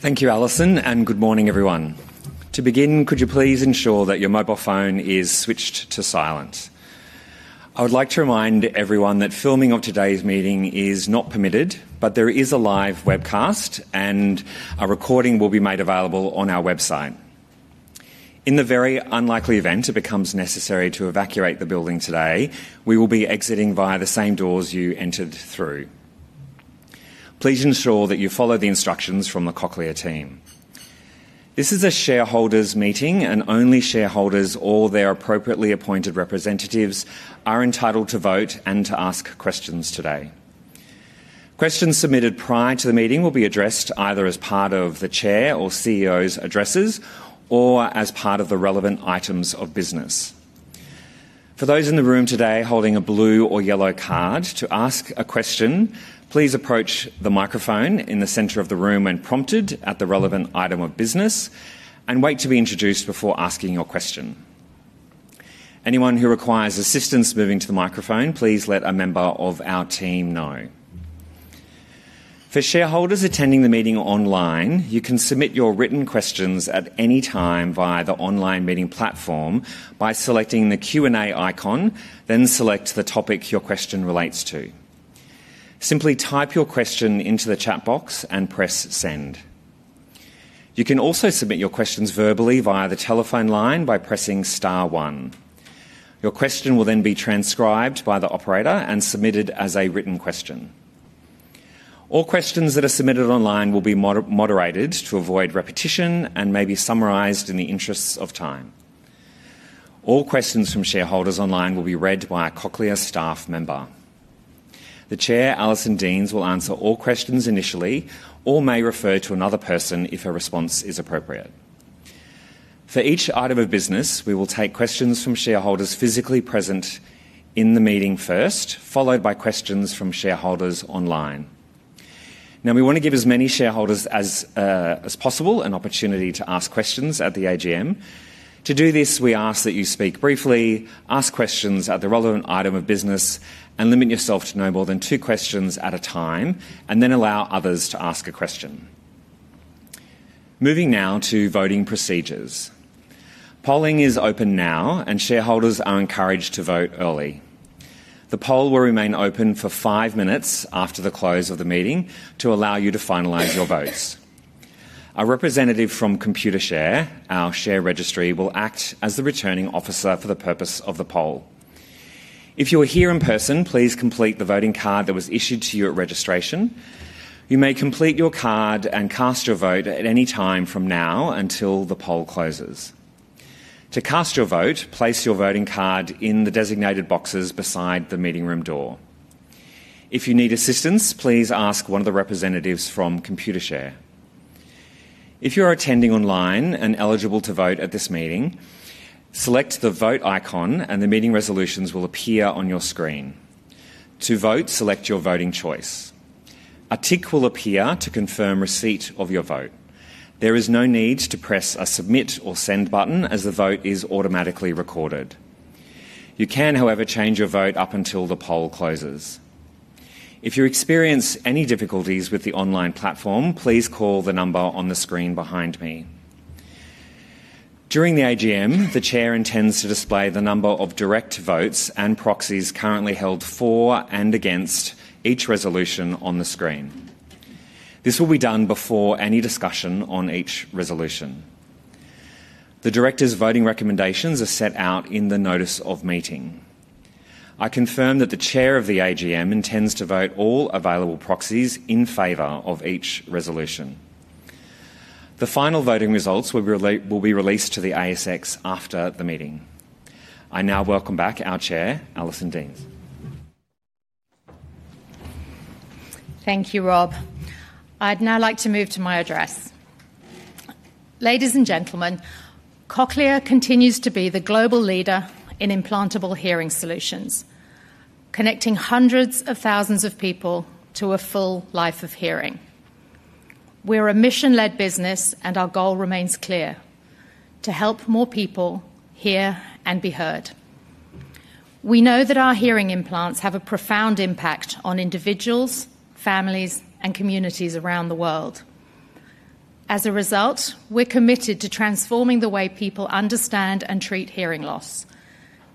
Thank you, Alison, and good morning, everyone. To begin, could you please ensure that your mobile phone is switched to silent? I would like to remind everyone that filming of today's meeting is not permitted, but there is a live webcast, and a recording will be made available on our website. In the very unlikely event it becomes necessary to evacuate the building today, we will be exiting via the same doors you entered through. Please ensure that you follow the instructions from the Cochlear team. This is a shareholders' meeting, and only shareholders or their appropriately appointed representatives are entitled to vote and to ask questions today. Questions submitted prior to the meeting will be addressed either as part of the Chair or CEO's addresses or as part of the relevant items of business. For those in the room today holding a blue or yellow card to ask a question, please approach the microphone in the center of the room when prompted at the relevant item of business and wait to be introduced before asking your question. Anyone who requires assistance moving to the microphone, please let a member of our team know. For shareholders attending the meeting online, you can submit your written questions at any time via the online meeting platform by selecting the Q&A icon, then select the topic your question relates to. Simply type your question into the chat box and press send. You can also submit your questions verbally via the telephone line by pressing star one. Your question will then be transcribed by the operator and submitted as a written question. All questions that are submitted online will be moderated to avoid repetition and may be summarized in the interests of time. All questions from shareholders online will be read by a Cochlear staff member. The Chair, Alison Deans, will answer all questions initially or may refer to another person if her response is appropriate. For each item of business, we will take questions from shareholders physically present in the meeting first, followed by questions from shareholders online. Now, we want to give as many shareholders as possible an opportunity to ask questions at the AGM. To do this, we ask that you speak briefly, ask questions at the relevant item of business, and limit yourself to no more than two questions at a time and then allow others to ask a question. Moving now to voting procedures. Polling is open now, and shareholders are encouraged to vote early. The poll will remain open for five minutes after the close of the meeting to allow you to finalize your votes. A representative from Computershare, our share registry, will act as the returning officer for the purpose of the poll. If you are here in person, please complete the voting card that was issued to you at registration. You may complete your card and cast your vote at any time from now until the poll closes. To cast your vote, place your voting card in the designated boxes beside the meeting room door. If you need assistance, please ask one of the representatives from Computershare. If you are attending online and eligible to vote at this meeting, select the vote icon, and the meeting resolutions will appear on your screen. To vote, select your voting choice. A tick will appear to confirm receipt of your vote. There is no need to press a submit or send button, as the vote is automatically recorded. You can, however, change your vote up until the poll closes. If you experience any difficulties with the online platform, please call the number on the screen behind me. During the AGM, the Chair intends to display the number of direct votes and proxies currently held for and against each resolution on the screen. This will be done before any discussion on each resolution. The Directors' voting recommendations are set out in the notice of meeting. I confirm that the Chair of the AGM intends to vote all available proxies in favor of each resolution. The final voting results will be released to the ASX after the meeting. I now welcome back our Chair, Alison Deans. Thank you, Rob. I'd now like to move to my address. Ladies and gentlemen, Cochlear continues to be the global leader in implantable hearing solutions, connecting hundreds of thousands of people to a full life of hearing. We're a mission-led business, and our goal remains clear: to help more people hear and be heard. We know that our hearing implants have a profound impact on individuals, families, and communities around the world. As a result, we're committed to transforming the way people understand and treat hearing loss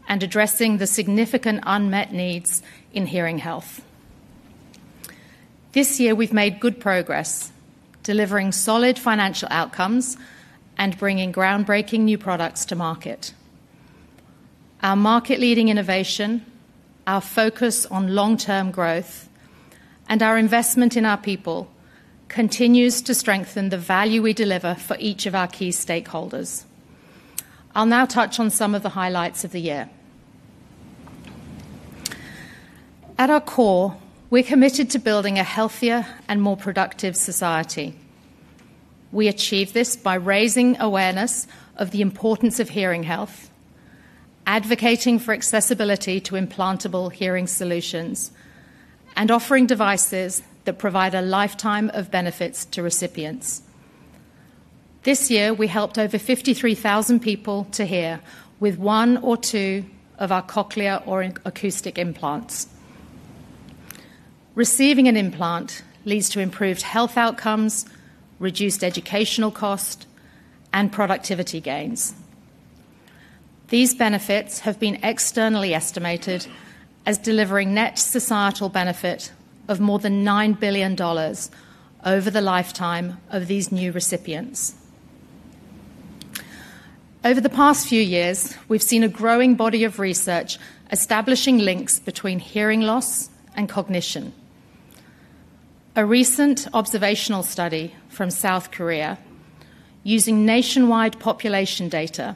and addressing the significant unmet needs in hearing health. This year, we've made good progress, delivering solid financial outcomes and bringing groundbreaking new products to market. Our market-leading innovation, our focus on long-term growth, and our investment in our people continue to strengthen the value we deliver for each of our key stakeholders. I'll now touch on some of the highlights of the year. At our core, we're committed to building a healthier and more productive society. We achieve this by raising awareness of the importance of hearing health, advocating for accessibility to implantable hearing solutions, and offering devices that provide a lifetime of benefits to recipients. This year, we helped over 53,000 people to hear with one or two of our cochlear or acoustic implants. Receiving an implant leads to improved health outcomes, reduced educational cost, and productivity gains. These benefits have been externally estimated as delivering net societal benefit of more than $9 billion over the lifetime of these new recipients. Over the past few years, we've seen a growing body of research establishing links between hearing loss and cognition. A recent observational study from South Korea using nationwide population data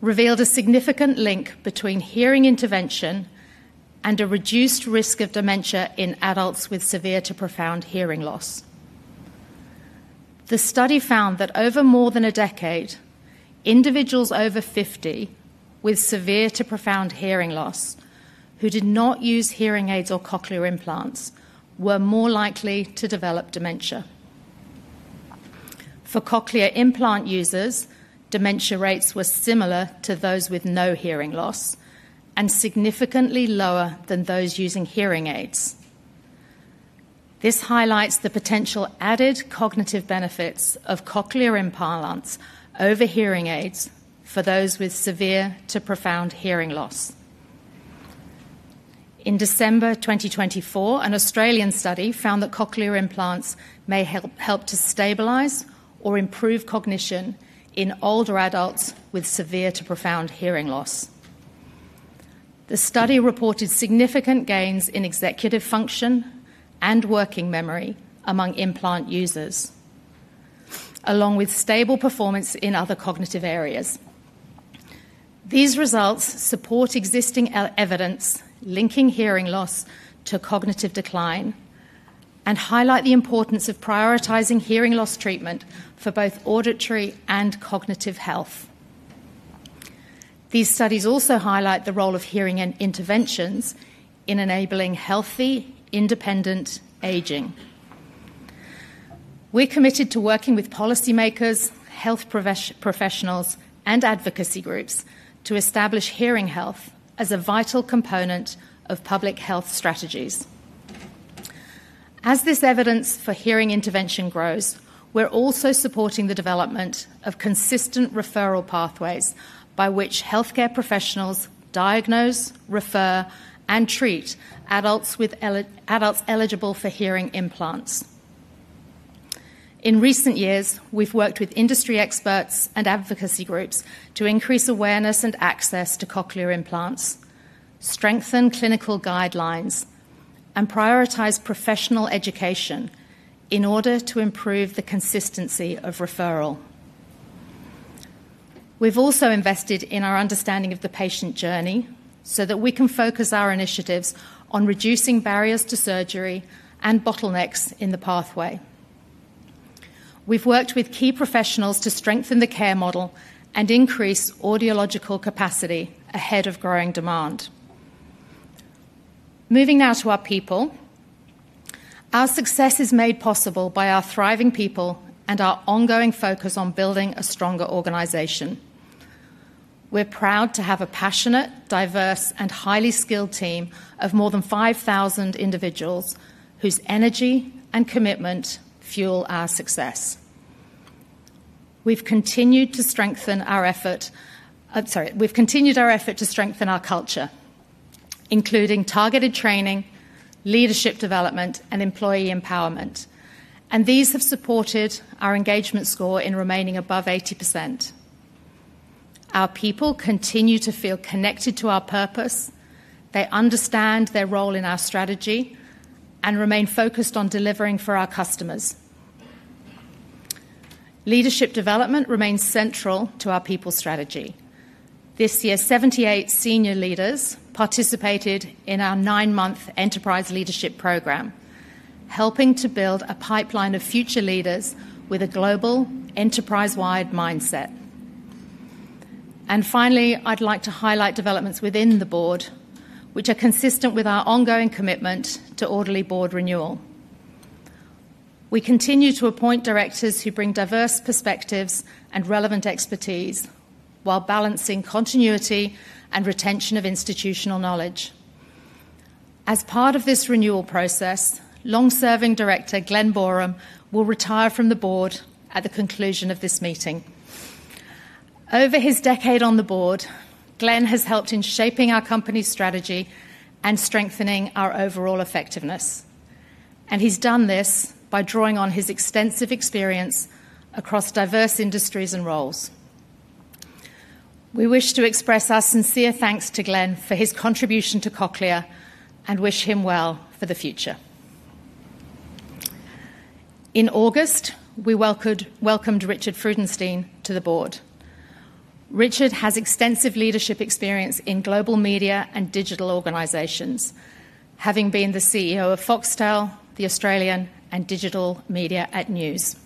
revealed a significant link between hearing intervention and a reduced risk of dementia in adults with severe to profound hearing loss. The study found that over more than a decade, individuals over 50 with severe to profound hearing loss who did not use hearing aids or cochlear implants were more likely to develop dementia. For cochlear implant users, dementia rates were similar to those with no hearing loss and significantly lower than those using hearing aids. This highlights the potential added cognitive benefits of cochlear implants over hearing aids for those with severe to profound hearing loss. In December 2024, an Australian study found that cochlear implants may help to stabilize or improve cognition in older adults with severe to profound hearing loss. The study reported significant gains in executive function and working memory among implant users, along with stable performance in other cognitive areas. These results support existing evidence linking hearing loss to cognitive decline and highlight the importance of prioritizing hearing loss treatment for both auditory and cognitive health. These studies also highlight the role of hearing interventions in enabling healthy, independent aging. We're committed to working with policymakers, health professionals, and advocacy groups to establish hearing health as a vital component of public health strategies. As this evidence for hearing intervention grows, we're also supporting the development of consistent referral pathways by which healthcare professionals diagnose, refer, and treat adults eligible for hearing implants. In recent years, we've worked with industry experts and advocacy groups to increase awareness and access to cochlear implants, strengthen clinical guidelines, and prioritize professional education in order to improve the consistency of referral. We've also invested in our understanding of the patient journey so that we can focus our initiatives on reducing barriers to surgery and bottlenecks in the pathway. We've worked with key professionals to strengthen the care model and increase audiological capacity ahead of growing demand. Moving now to our people, our success is made possible by our thriving people and our ongoing focus on building a stronger organization. We're proud to have a passionate, diverse, and highly skilled team of more than 5,000 individuals whose energy and commitment fuel our success. We've continued our effort to strengthen our culture, including targeted training, leadership development, and employee empowerment. These have supported our engagement score in remaining above 80%. Our people continue to feel connected to our purpose. They understand their role in our strategy and remain focused on delivering for our customers. Leadership development remains central to our people strategy. This year, 78 senior leaders participated in our nine-month enterprise leadership program, helping to build a pipeline of future leaders with a global, enterprise-wide mindset. Finally, I'd like to highlight developments within the board, which are consistent with our ongoing commitment to orderly board renewal. We continue to appoint directors who bring diverse perspectives and relevant expertise while balancing continuity and retention of institutional knowledge. As part of this renewal process, long-serving Director Glen Boreham will retire from the board at the conclusion of this meeting. Over his decade on the board, Glen has helped in shaping our company's strategy and strengthening our overall effectiveness. He has done this by drawing on his extensive experience across diverse industries and roles. We wish to express our sincere thanks to Glen for his contribution to Cochlear and wish him well for the future. In August, we welcomed Richard Freudenstein to the board. Richard has extensive leadership experience in global media and digital organizations, having been the CEO of Foxtel, The Australian, and Digital Media@News.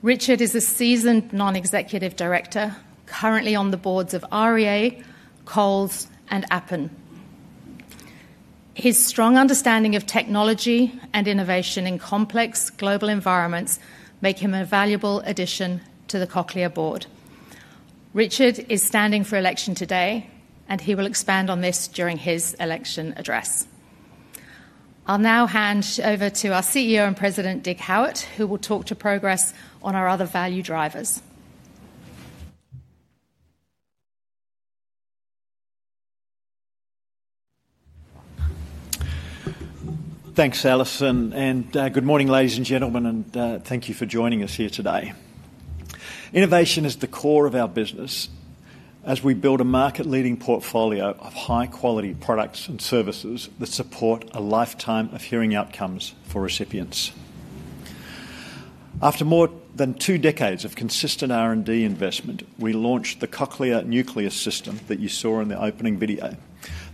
Richard is a seasoned non-executive director, currently on the boards of REA, Coles, and Appen. His strong understanding of technology and innovation in complex global environments makes him a valuable addition to the Cochlear board. Richard is standing for election today, and he will expand on this during his election address. I'll now hand over to our CEO and President, Dig Howitt, who will talk to progress on our other value drivers. Thanks, Alison, and good morning, ladies and gentlemen, and thank you for joining us here today. Innovation is the core of our business as we build a market-leading portfolio of high-quality products and services that support a lifetime of hearing outcomes for recipients. After more than two decades of consistent R&D investment, we launched the Cochlear Nucleus system that you saw in the opening video,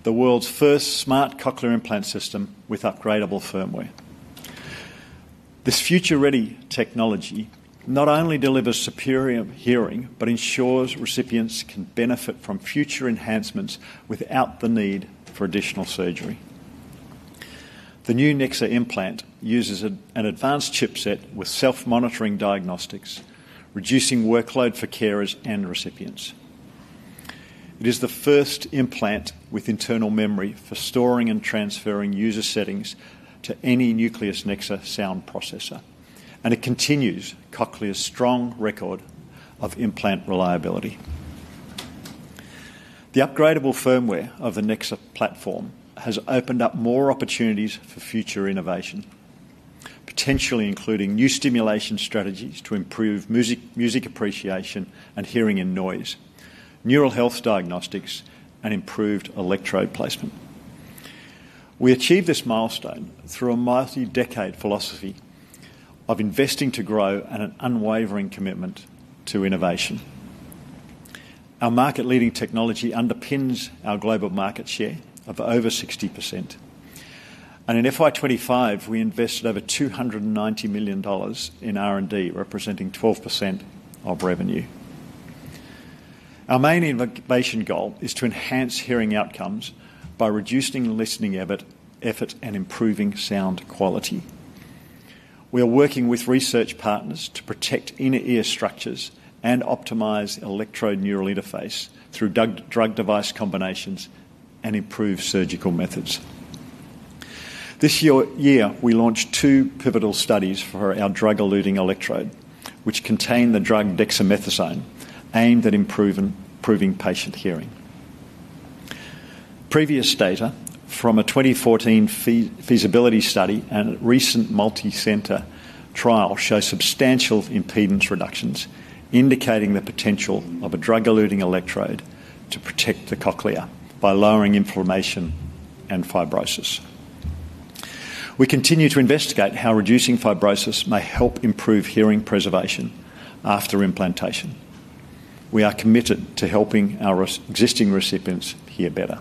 the world's first smart cochlear implant system with upgradable firmware. This future-ready technology not only delivers superior hearing, but ensures recipients can benefit from future enhancements without the need for additional surgery. The new Nexa implant uses an advanced chipset with self-monitoring diagnostics, reducing workload for carers and recipients. It is the first implant with internal memory for storing and transferring user settings to any Nucleus Nexa sound processor, and it continues Cochlear's strong record of implant reliability. The upgradable firmware of the Nexa platform has opened up more opportunities for future innovation, potentially including new stimulation strategies to improve music appreciation and hearing in noise, neural health diagnostics, and improved electrode placement. We achieved this milestone through a multi-decade philosophy of investing to grow and an unwavering commitment to innovation. Our market-leading technology underpins our global market share of over 60%, and in FY25, we invested over $290 million in R&D, representing 12% of revenue. Our main innovation goal is to enhance hearing outcomes by reducing listening effort and improving sound quality. We are working with research partners to protect inner ear structures and optimize electrode neural interface through drug-device combinations and improve surgical methods. This year, we launched two pivotal studies for our drug-eluting electrode, which contain the drug dexamethasone, aimed at improving patient hearing. Previous data from a 2014 feasibility study and a recent multicenter trial show substantial impedance reductions, indicating the potential of a drug-eluting electrode to protect the cochlear by lowering inflammation and fibrosis. We continue to investigate how reducing fibrosis may help improve hearing preservation after implantation. We are committed to helping our existing recipients hear better.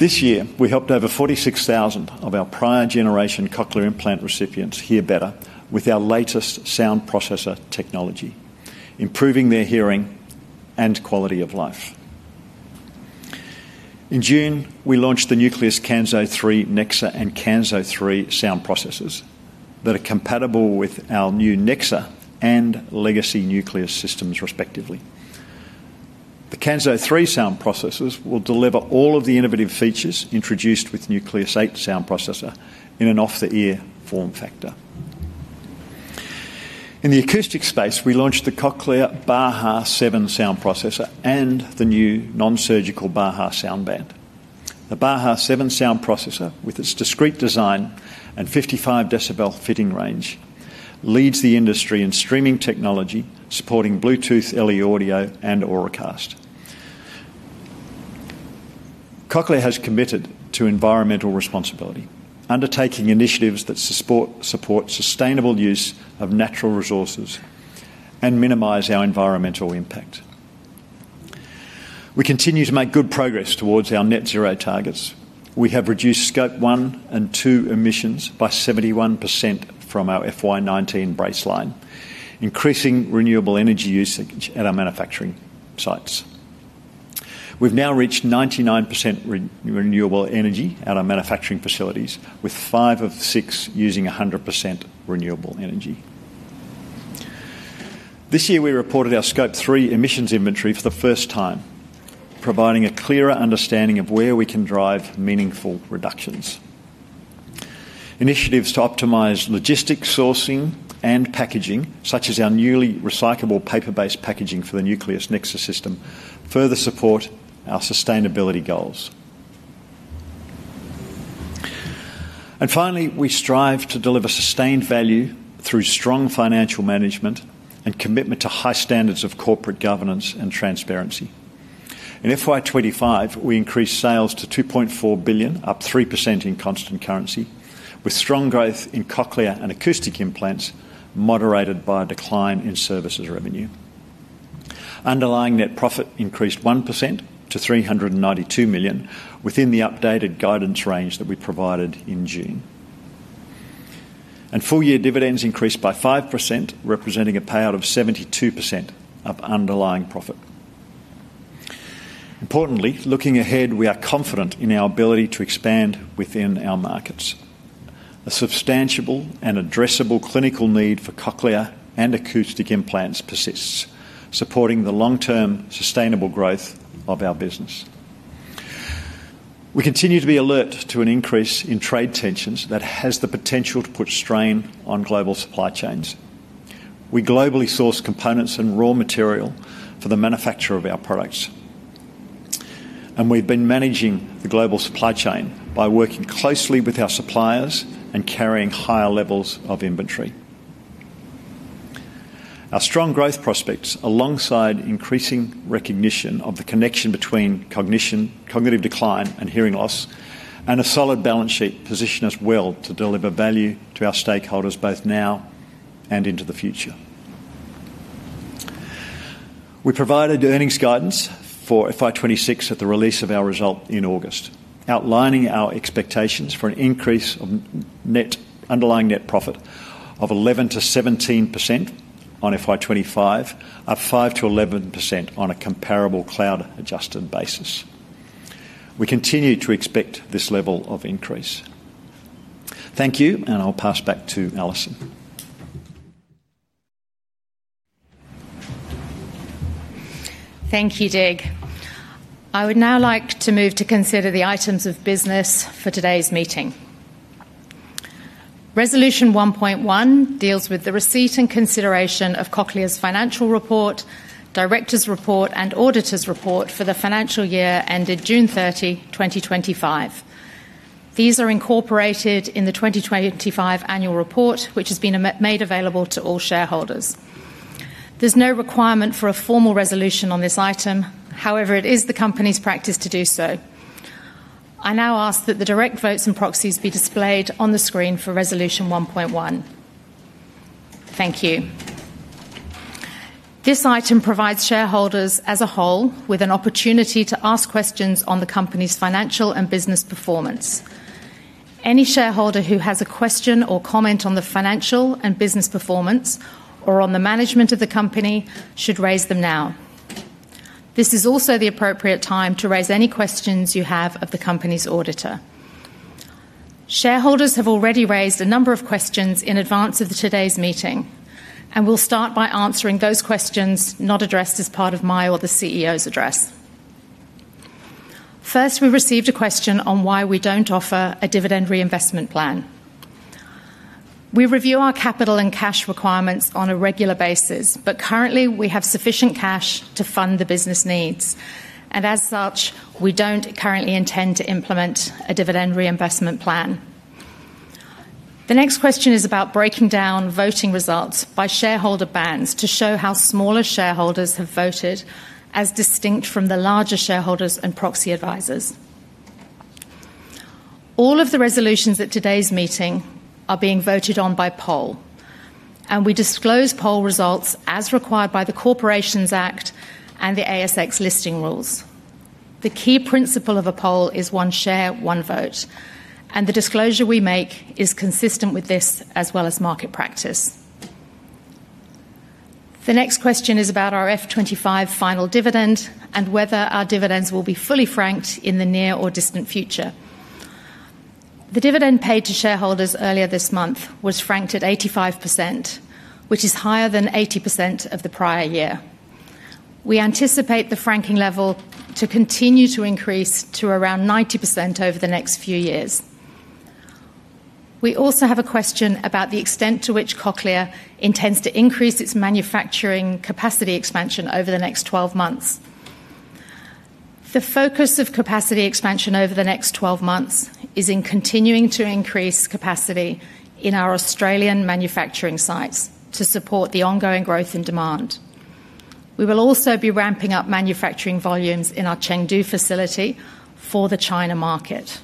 This year, we helped over 46,000 of our prior-generation cochlear implant recipients hear better with our latest sound processor technology, improving their hearing and quality of life. In June, we launched the Nucleus Kanso 3 Nexa and Kanso 3 sound processors that are compatible with our new Nexa and legacy Nucleus systems, respectively. The Kanso 3 sound processors will deliver all of the innovative features introduced with Nucleus three sound processor in an off-the-ear form factor. In the acoustic space, we launched the Cochlear BAHA 7 sound processor and the new non-surgical BAHA soundband. The BAHA 7 sound processor, with its discreet design and 55 decibel fitting range, leads the industry in streaming technology, supporting Bluetooth LE Audio and Auracast. Cochlear has committed to environmental responsibility, undertaking initiatives that support sustainable use of natural resources and minimize our environmental impact. We continue to make good progress towards our net zero targets. We have reduced scope one and two emissions by 71% from our FY19 baseline, increasing renewable energy usage at our manufacturing sites. We've now reached 99% renewable energy at our manufacturing facilities, with five of six using 100% renewable energy. This year, we reported our scope three emissions inventory for the first time, providing a clearer understanding of where we can drive meaningful reductions. Initiatives to optimize logistics, sourcing, and packaging, such as our newly recyclable paper-based packaging for the Nucleus Nexa system, further support our sustainability goals. Finally, we strive to deliver sustained value through strong financial management and commitment to high standards of corporate governance and transparency. In FY25, we increased sales to $2.4 billion, up 3% in constant currency, with strong growth in cochlear and acoustic implants, moderated by a decline in services revenue. Underlying net profit increased 1% to $392 million within the updated guidance range that we provided in June. Full-year dividends increased by 5%, representing a payout of 72% of underlying profit. Importantly, looking ahead, we are confident in our ability to expand within our markets. A substantial and addressable clinical need for cochlear and acoustic implants persists, supporting the long-term sustainable growth of our business. We continue to be alert to an increase in trade tensions that has the potential to put strain on global supply chains. We globally source components and raw material for the manufacture of our products. We have been managing the global supply chain by working closely with our suppliers and carrying higher levels of inventory. Our strong growth prospects, alongside increasing recognition of the connection between cognition, cognitive decline, and hearing loss, and a solid balance sheet, position us well to deliver value to our stakeholders both now and into the future. We provided earnings guidance for FY26 at the release of our result in August, outlining our expectations for an increase of underlying net profit of 11%-17% on FY25, up 5%-11% on a comparable cloud-adjusted basis. We continue to expect this level of increase. Thank you, and I'll pass back to Alison. Thank you, Dig. I would now like to move to consider the items of business for today's meeting. Resolution 1.1 deals with the receipt and consideration of Cochlear's financial report, Director's report, and auditor's report for the financial year ended June 30, 2025. These are incorporated in the 2025 annual report, which has been made available to all shareholders. There's no requirement for a formal resolution on this item, however, it is the company's practice to do so. I now ask that the direct votes and proxies be displayed on the screen for resolution 1.1. Thank you. This item provides shareholders as a whole with an opportunity to ask questions on the company's financial and business performance. Any shareholder who has a question or comment on the financial and business performance or on the management of the company should raise them now. This is also the appropriate time to raise any questions you have of the company's auditor. Shareholders have already raised a number of questions in advance of today's meeting, and we'll start by answering those questions not addressed as part of my or the CEO's address. First, we received a question on why we don't offer a dividend reinvestment plan. We review our capital and cash requirements on a regular basis, but currently, we have sufficient cash to fund the business needs, and as such, we don't currently intend to implement a dividend reinvestment plan. The next question is about breaking down voting results by shareholder bands to show how smaller shareholders have voted as distinct from the larger shareholders and proxy advisors. All of the resolutions at today's meeting are being voted on by poll, and we disclose poll results as required by the Corporations Act and the ASX listing rules. The key principle of a poll is one share, one vote, and the disclosure we make is consistent with this as well as market practice. The next question is about our FY25 final dividend and whether our dividends will be fully franked in the near or distant future. The dividend paid to shareholders earlier this month was franked at 85%, which is higher than 80% of the prior year. We anticipate the franking level to continue to increase to around 90% over the next few years. We also have a question about the extent to which Cochlear intends to increase its manufacturing capacity expansion over the next 12 months. The focus of capacity expansion over the next 12 months is in continuing to increase capacity in our Australian manufacturing sites to support the ongoing growth in demand. We will also be ramping up manufacturing volumes in our Chengdu facility for the China market.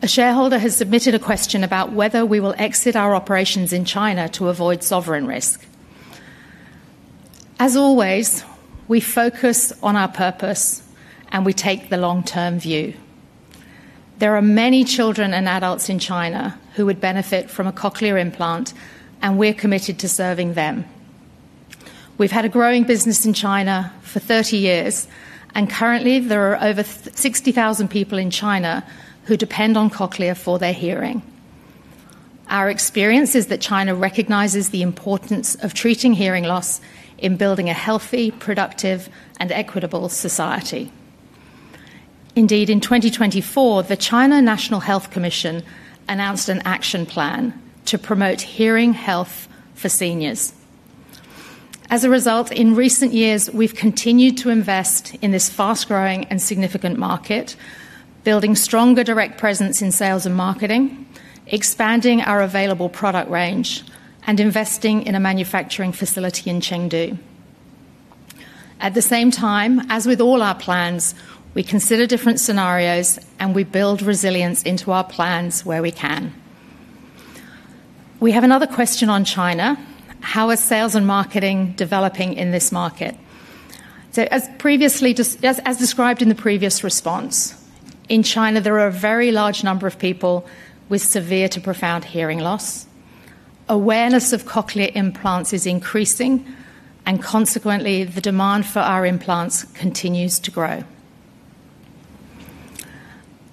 A shareholder has submitted a question about whether we will exit our operations in China to avoid sovereign risk. As always, we focus on our purpose, and we take the long-term view. There are many children and adults in China who would benefit from a cochlear implant, and we're committed to serving them. We've had a growing business in China for 30 years, and currently, there are over 60,000 people in China who depend on Cochlear for their hearing. Our experience is that China recognizes the importance of treating hearing loss in building a healthy, productive, and equitable society. Indeed, in 2024, the China National Health Commission announced an action plan to promote hearing health for seniors. As a result, in recent years, we've continued to invest in this fast-growing and significant market, building stronger direct presence in sales and marketing, expanding our available product range, and investing in a manufacturing facility in Chengdu. At the same time, as with all our plans, we consider different scenarios, and we build resilience into our plans where we can. We have another question on China. How are sales and marketing developing in this market? As previously described in the previous response, in China, there are a very large number of people with severe to profound hearing loss. Awareness of cochlear implants is increasing, and consequently, the demand for our implants continues to grow.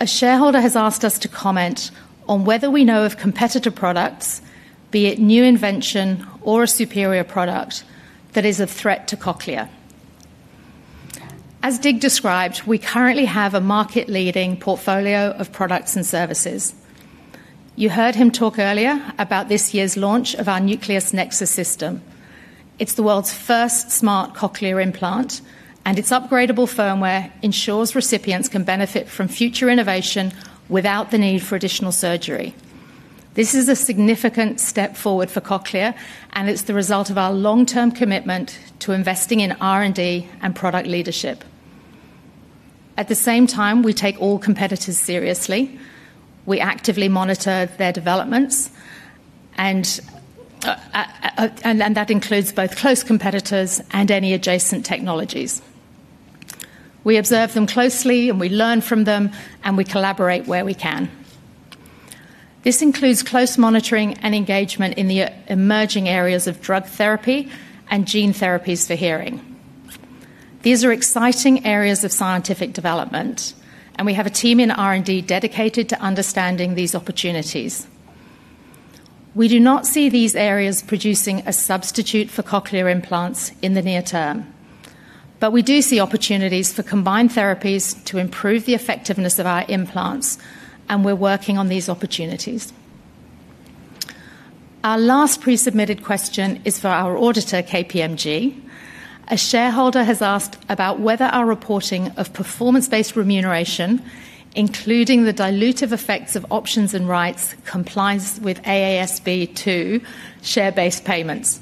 A shareholder has asked us to comment on whether we know of competitor products, be it new invention or a superior product, that is a threat to Cochlear. As Dig described, we currently have a market-leading portfolio of products and services. You heard him talk earlier about this year's launch of our Nucleus Nexa system. It's the world's first smart cochlear implant, and its upgradable firmware ensures recipients can benefit from future innovation without the need for additional surgery. This is a significant step forward for Cochlear, and it's the result of our long-term commitment to investing in R&D and product leadership. At the same time, we take all competitors seriously. We actively monitor their developments, and that includes both close competitors and any adjacent technologies. We observe them closely, and we learn from them, and we collaborate where we can. This includes close monitoring and engagement in the emerging areas of drug therapy and gene therapies for hearing. These are exciting areas of scientific development, and we have a team in R&D dedicated to understanding these opportunities. We do not see these areas producing a substitute for cochlear implants in the near term, but we do see opportunities for combined therapies to improve the effectiveness of our implants, and we're working on these opportunities. Our last pre-submitted question is for our auditor, KPMG. A shareholder has asked about whether our reporting of performance-based remuneration, including the dilutive effects of options and rights, complies with AASB 2 share-based payments.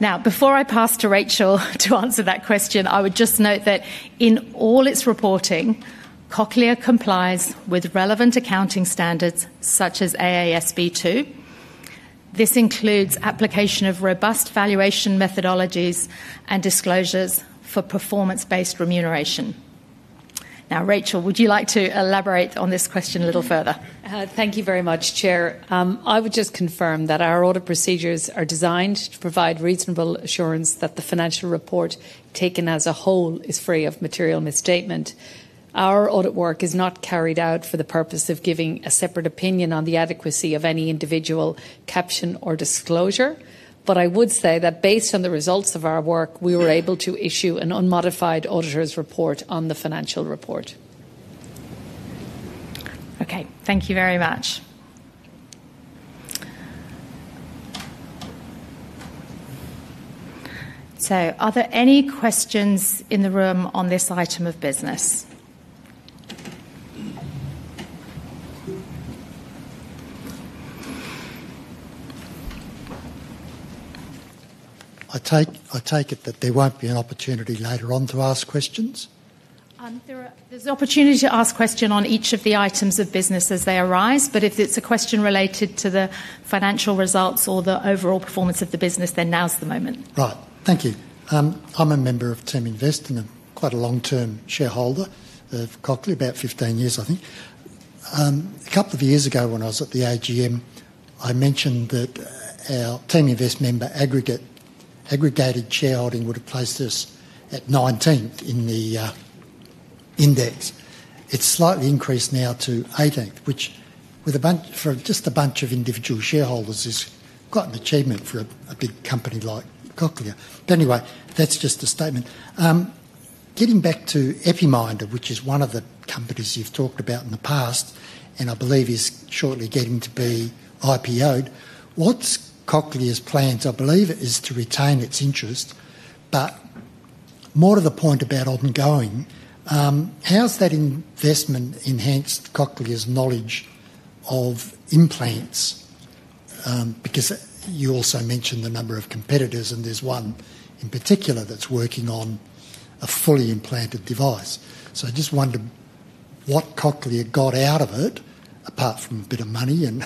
Now, before I pass to Rachel to answer that question, I would just note that in all its reporting, Cochlear complies with relevant accounting standards such as AASB 2. This includes application of robust valuation methodologies and disclosures for performance-based remuneration. Now, Rachel, would you like to elaborate on this question a little further? Thank you very much, Chair. I would just confirm that our audit procedures are designed to provide reasonable assurance that the financial report taken as a whole is free of material misstatement. Our audit work is not carried out for the purpose of giving a separate opinion on the adequacy of any individual caption or disclosure, but I would say that based on the results of our work, we were able to issue an unmodified auditor's report on the financial report. Okay thank you very much. Are there any questions in the room on this item of business? I take it that there won't be an opportunity later on to ask questions? There's an opportunity to ask questions on each of the items of business as they arise, but if it's a question related to the financial results or the overall performance of the business, then now's the moment. Right. Thank you. I'm a member of TEM Invest and quite a long-term shareholder of Cochlear, about 15 years, I think. A couple of years ago, when I was at the AGM, I mentioned that our TEM Invest member aggregated shareholding would have placed us at 19th in the index. It's slightly increased now to 18th, which for just a bunch of individual shareholders is quite an achievement for a big company like Cochlear. That's just a statement. Getting back to Epiminder, which is one of the companies you've talked about in the past and I believe is shortly getting to be IPO'd. What's Cochlear's plans? I believe it is to retain its interest, but more to the point about ongoing, how's that investment enhanced Cochlear's knowledge of implants? You also mentioned the number of competitors, and there's one in particular that's working on a fully implanted device. I just wonder what Cochlear got out of it, apart from a bit of money and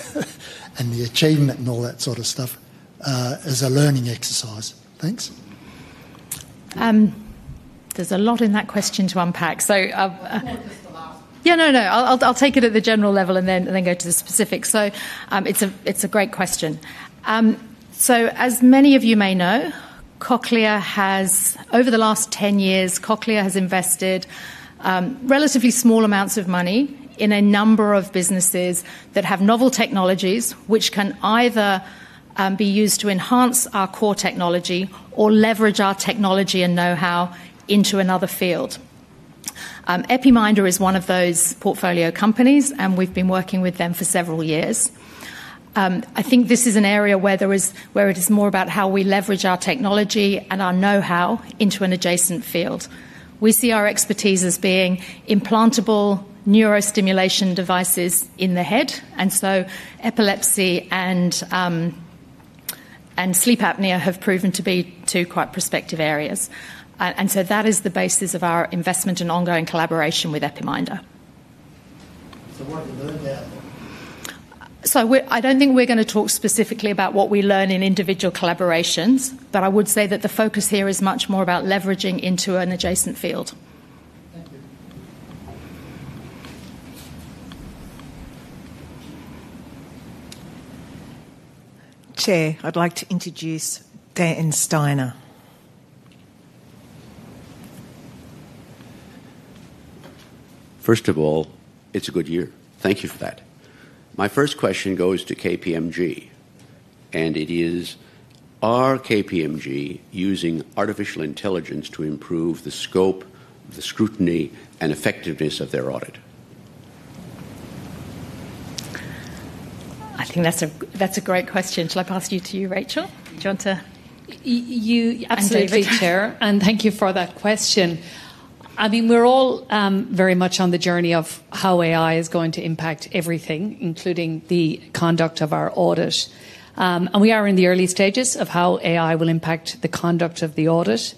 the achievement and all that sort of stuff, as a learning exercise. Thanks. There's a lot in that question to unpack. Just the last. I'll take it at the general level and then go to the specifics. It's a great question. As many of you may know, Cochlear has, over the last 10 years, invested relatively small amounts of money in a number of businesses that have novel technologies which can either be used to enhance our core technology or leverage our technology and know-how into another field. Epiminder is one of those portfolio companies, and we've been working with them for several years. I think this is an area where it is more about how we leverage our technology and our know-how into an adjacent field. We see our expertise as being implantable neurostimulation devices in the head, and epilepsy and sleep apnea have proven to be two quite prospective areas. That is the basis of our investment and ongoing collaboration with Epiminder. What do you learn there? I don't think we're going to talk specifically about what we learn in individual collaborations, but I would say that the focus here is much more about leveraging into an adjacent field. Thank you. Chair, I'd like to introduce Dan Steiner. First of all, it's a good year. Thank you for that. My first question goes to KPMG, and it is, are KPMG using artificial intelligence to improve the scope, the scrutiny, and effectiveness of their audit? I think that's a great question. Should I pass to you, Rachel? Do you want to? Absolutely, Chair, and thank you for that question. We're all very much on the journey of how AI is going to impact everything, including the conduct of our audit. We are in the early stages of how AI will impact the conduct of the audit.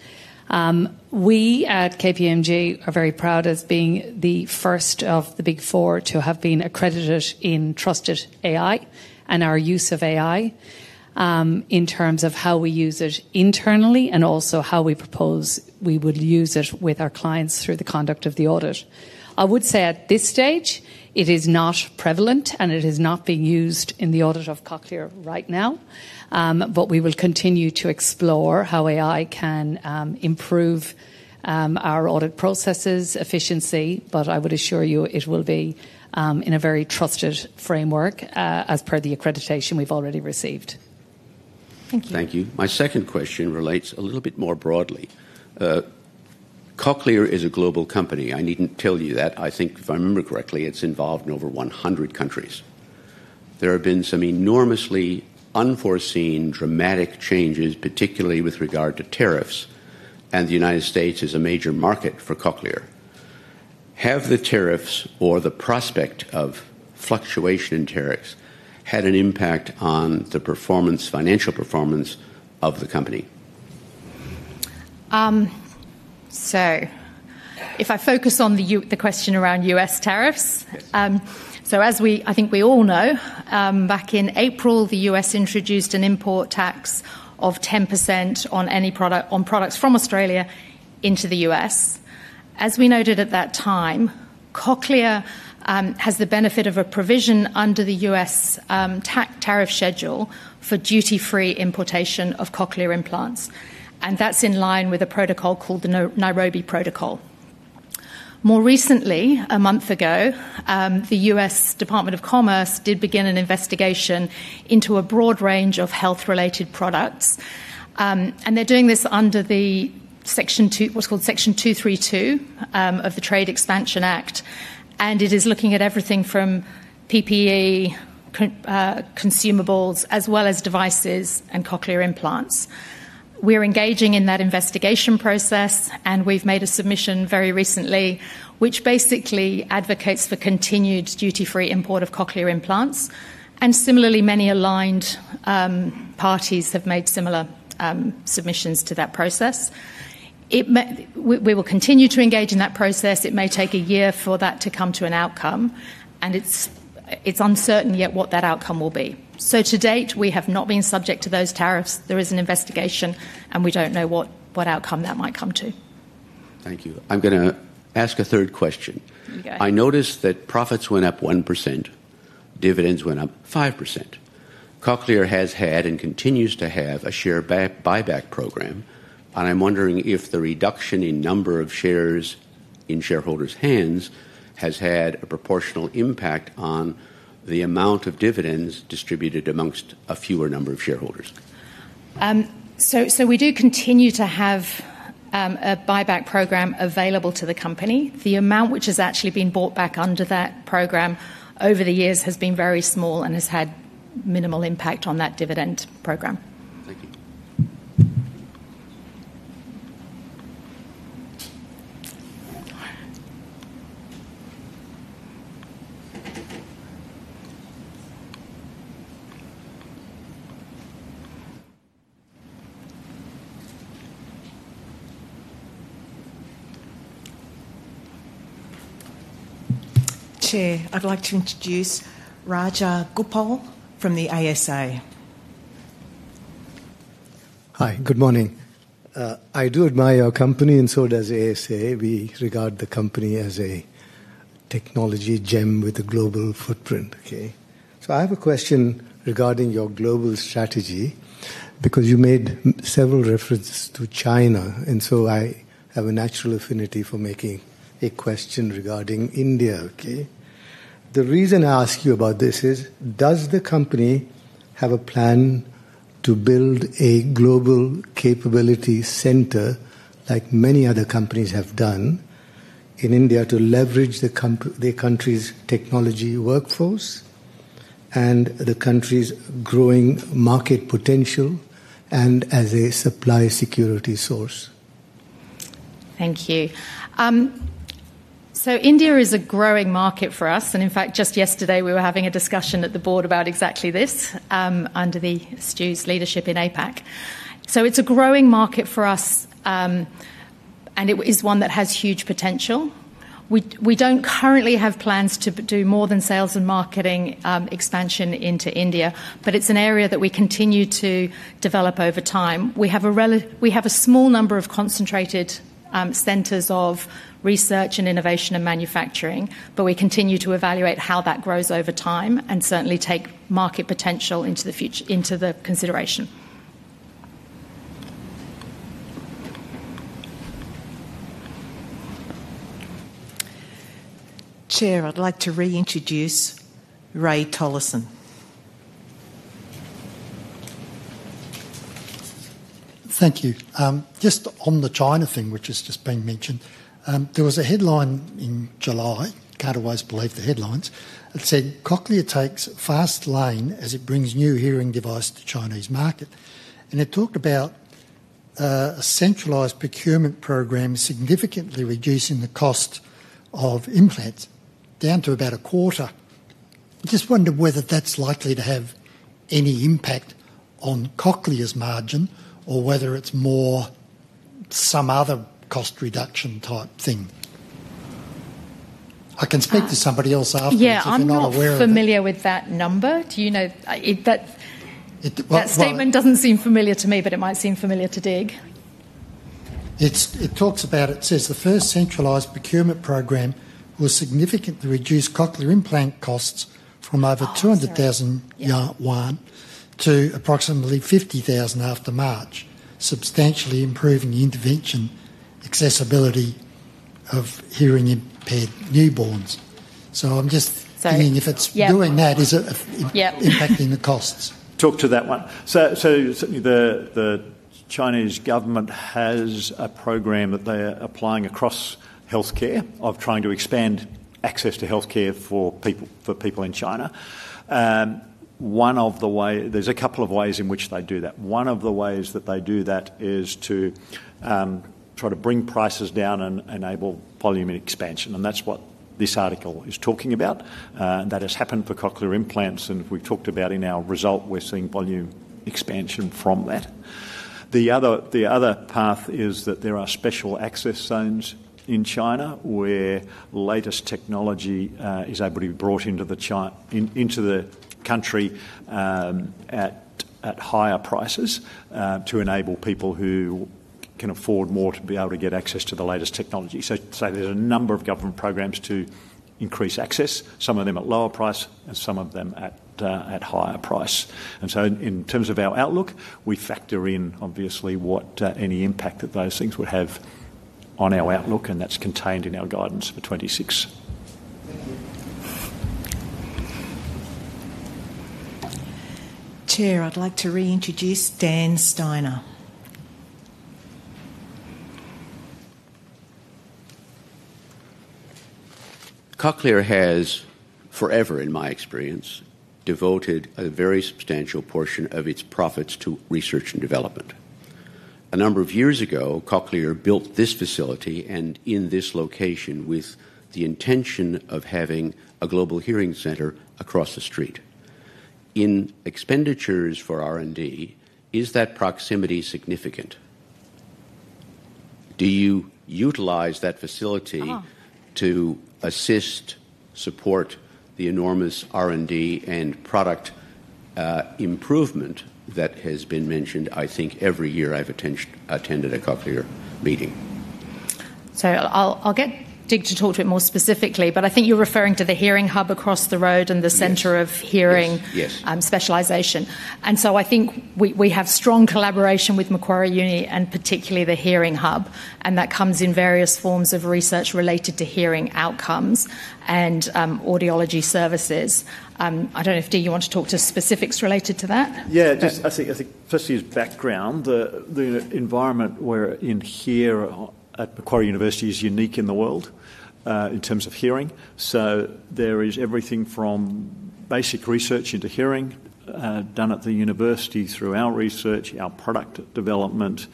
We at KPMG are very proud of being the first of the Big Four to have been accredited in trusted AI and our use of AI in terms of how we use it internally and also how we propose we would use it with our clients through the conduct of the audit. I would say at this stage, it is not prevalent, and it is not being used in the audit of Cochlear right now. We will continue to explore how AI can improve our audit processes' efficiency, but I would assure you it will be in a very trusted framework as per the accreditation we've already received. Thank you. Thank you. My second question relates a little bit more broadly. Cochlear is a global company. I needn't tell you that. I think, if I remember correctly, it's involved in over 100 countries. There have been some enormously unforeseen dramatic changes, particularly with regard to tariffs, and the United States is a major market for Cochlear. Have the tariffs or the prospect of fluctuation in tariffs had an impact on the financial performance of the company? If I focus on the question around U.S. tariffs, as I think we all know, back in April, the U.S. introduced an import tax of 10% on products from Australia into the U.S. As we noted at that time, Cochlear has the benefit of a provision under the U.S. tax tariff schedule for duty-free importation of Cochlear implants, and that's in line with a protocol called the Nairobi Protocol. More recently, a month ago, the U.S. Department of Commerce did begin an investigation into a broad range of health-related products, and they're doing this under what's called Section 232 of the Trade Expansion Act, and it is looking at everything from PPE, consumables, as well as devices and Cochlear implants. We're engaging in that investigation process, and we've made a submission very recently which basically advocates for continued duty-free import of Cochlear implants, and similarly, many aligned parties have made similar submissions to that process. We will continue to engage in that process. It may take a year for that to come to an outcome, and it's uncertain yet what that outcome will be. To date, we have not been subject to those tariffs. There is an investigation, and we don't know what outcome that might come to. Thank you. I'm going to ask a third question. You go. I noticed that profits went up 1%, dividends went up 5%. Cochlear has had and continues to have a share buyback program, and I'm wondering if the reduction in number of shares in shareholders' hands has had a proportional impact on the amount of dividends distributed amongst a fewer number of shareholders. We do continue to have a buyback program available to the company. The amount which has actually been bought back under that program over the years has been very small and has had minimal impact on that dividend program. Thank you. Chair, I'd like to introduce Raja Gupal from the ASA. Hi, good morning. I do admire your company, and so does ASA. We regard the company as a technology gem with a global footprint. I have a question regarding your global strategy because you made several references to China, and I have a natural affinity for making a question regarding India. The reason I ask you about this is, does the company have a plan to build a global capability center like many other companies have done in India to leverage their country's technology workforce and the country's growing market potential and as a supply security source? Thank you. India is a growing market for us, and in fact, just yesterday, we were having a discussion at the board about exactly this under Stu Sayers' leadership in APAC. It is a growing market for us, and it is one that has huge potential. We don't currently have plans to do more than sales and marketing expansion into India, but it's an area that we continue to develop over time. We have a small number of concentrated centers of research and innovation and manufacturing, but we continue to evaluate how that grows over time and certainly take market potential into the consideration. Chair, I'd like to reintroduce Ray Tollison. Thank you. Just on the China thing, which has just been mentioned, there was a headline in July, can't always believe the headlines, that said Cochlear takes fast lane as it brings new hearing devices to the Chinese market, and it talked about a centralized procurement program significantly reducing the cost of implants down to about a quarter. I just wonder whether that's likely to have any impact on Cochlear's margin or whether it's more some other cost reduction type thing. I can speak to somebody else afterwards if you're not aware of it. Yeah, I'm not familiar with that number. Do you know? That statement doesn't seem familiar to me, but it might seem familiar to Dig. It talks about, it says, the first centralized procurement program will significantly reduce Cochlear implant costs from over ¥ 200,000 to approximately ¥ 50,000 after March, substantially improving the intervention accessibility of hearing impaired newborns. I'm just saying, if it's doing that, is it impacting the costs? Took to that one certainly, the Chinese government has a program that they are applying across healthcare of trying to expand access to healthcare for people in China. There are a couple of ways in which they do that. One of the ways that they do that is to try to bring prices down and enable volume and expansion, and that's what this article is talking about. That has happened for Cochlear implants, and we've talked about in our result, we're seeing volume expansion from that. The other path is that there are special access zones in China where the latest technology is able to be brought into the country at higher prices to enable people who can afford more to be able to get access to the latest technology. There are a number of government programs to increase access, some of them at lower price and some of them at higher price. In terms of our outlook, we factor in, obviously, any impact that those things would have on our outlook, and that's contained in our guidance for 2026. Chair, I'd like to reintroduce Dan Steiner. Cochlear has, forever, in my experience, devoted a very substantial portion of its profits to research and development. A number of years ago, Cochlear built this facility in this location with the intention of having a global hearing center across the street. In expenditures for R&D, is that proximity significant? Do you utilize that facility to assist, support the enormous R&D and product improvement that has been mentioned? I think every year I've attended a Cochlear meeting. I'll get Dig to talk to it more specifically. I think you're referring to the hearing hub across the road and the center of hearing specialization. I think we have strong collaboration with Macquarie University and particularly the hearing hub, and that comes in various forms of research related to hearing outcomes and audiology services. I don't know if Dig, you want to talk to specifics related to that? Just, I think, firstly, as background, the environment we're in here at Macquarie University is unique in the world in terms of hearing. There is everything from basic research into hearing done at the university through our research, our product development.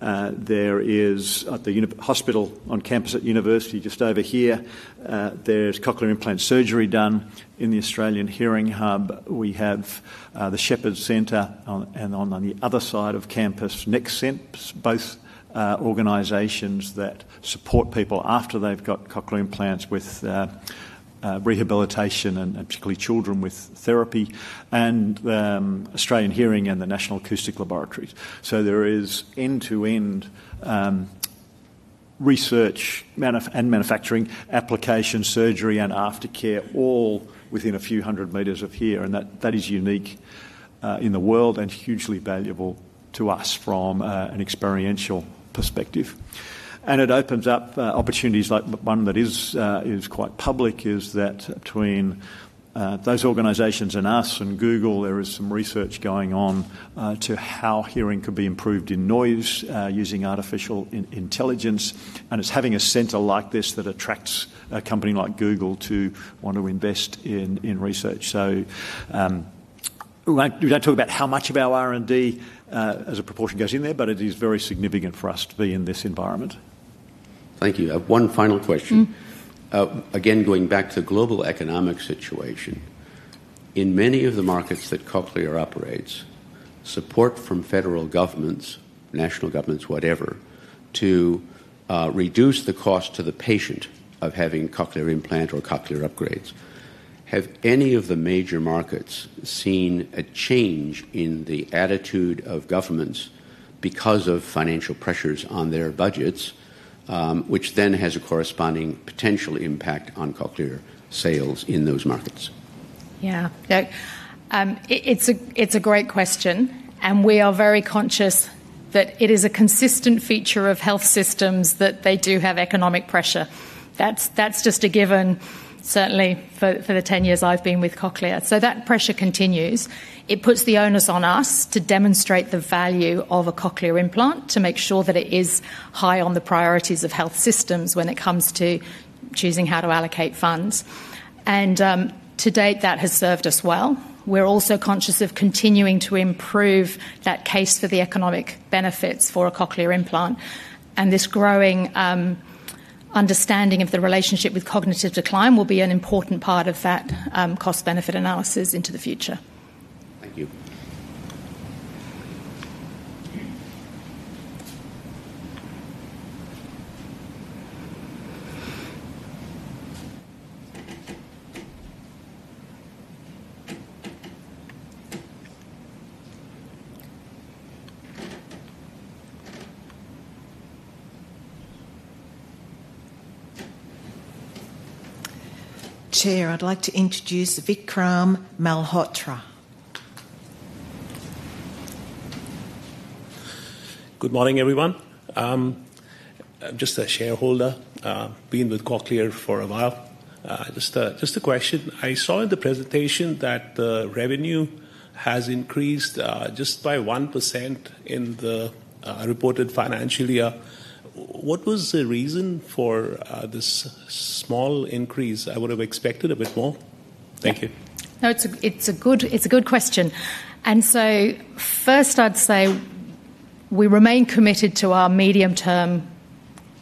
There is, at the hospital on campus at the university just over here, Cochlear implant surgery done in the Australian Hearing Hub. We have the Shepherd Center and, on the other side of campus, Next Sense, both organizations that support people after they've got Cochlear implants with rehabilitation and particularly children with therapy, and the Australian Hearing and the National Acoustic Laboratories. There is end-to-end research and manufacturing, application, surgery, and aftercare, all within a few hundred meters of here, and that is unique in the world and hugely valuable to us from an experiential perspective. It opens up opportunities like one that is quite public, that between those organizations and us and Google, there is some research going on into how hearing could be improved in noise using artificial intelligence, and it's having a center like this that attracts a company like Google to want to invest in research. We don't talk about how much of our R&D as a proportion goes in there, but it is very significant for us to be in this environment. Thank you. I have one final question. Again, going back to the global economic situation, in many of the markets that Cochlear operates, support from federal governments, national governments, whatever, to reduce the cost to the patient of having Cochlear implant or Cochlear upgrades. Have any of the major markets seen a change in the attitude of governments because of financial pressures on their budgets, which then has a corresponding potential impact on Cochlear sales in those markets? Yeah, it's a great question, and we are very conscious that it is a consistent feature of health systems that they do have economic pressure. That's just a given, certainly, for the 10 years I've been with Cochlear. That pressure continues. It puts the onus on us to demonstrate the value of a Cochlear implant to make sure that it is high on the priorities of health systems when it comes to choosing how to allocate funds. To date, that has served us well. We're also conscious of continuing to improve that case for the economic benefits for a Cochlear implant, and this growing understanding of the relationship with cognitive decline will be an important part of that cost-benefit analysis into the future. Thank you. Chair, I'd like to introduce Vikram Malhotra. Good morning, everyone. I'm just a shareholder, been with Cochlear for a while. Just a question. I saw in the presentation that the revenue has increased just by 1% in the reported financial year. What was the reason for this small increase? I would have expected a bit more. Thank you. No, it's a good question. First, I'd say we remain committed to our medium-term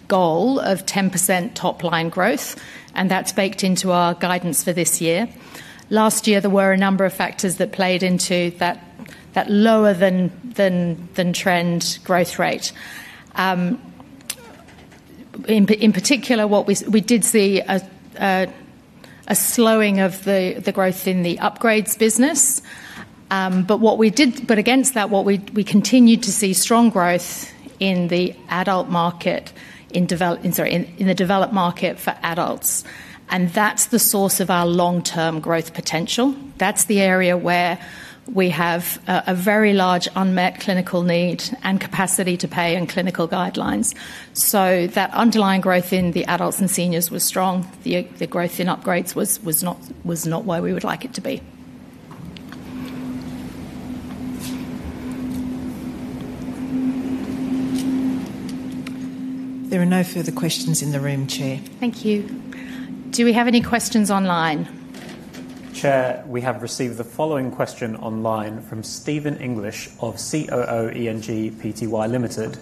goal of 10% top-line growth, and that's baked into our guidance for this year. Last year, there were a number of factors that played into that lower than trend growth rate. In particular, we did see a slowing of the growth in the upgrades business. Against that, we continued to see strong growth in the adult market, in the developed market for adults, and that's the source of our long-term growth potential. That's the area where we have a very large unmet clinical need and capacity to pay in clinical guidelines. That underlying growth in the adults and seniors was strong. The growth in upgrades was not where we would like it to be. There are no further questions in the room, chair. Thank you. Do we have any questions online? Chair, we have received the following question online from Stephen English of COOENG Pty Limited.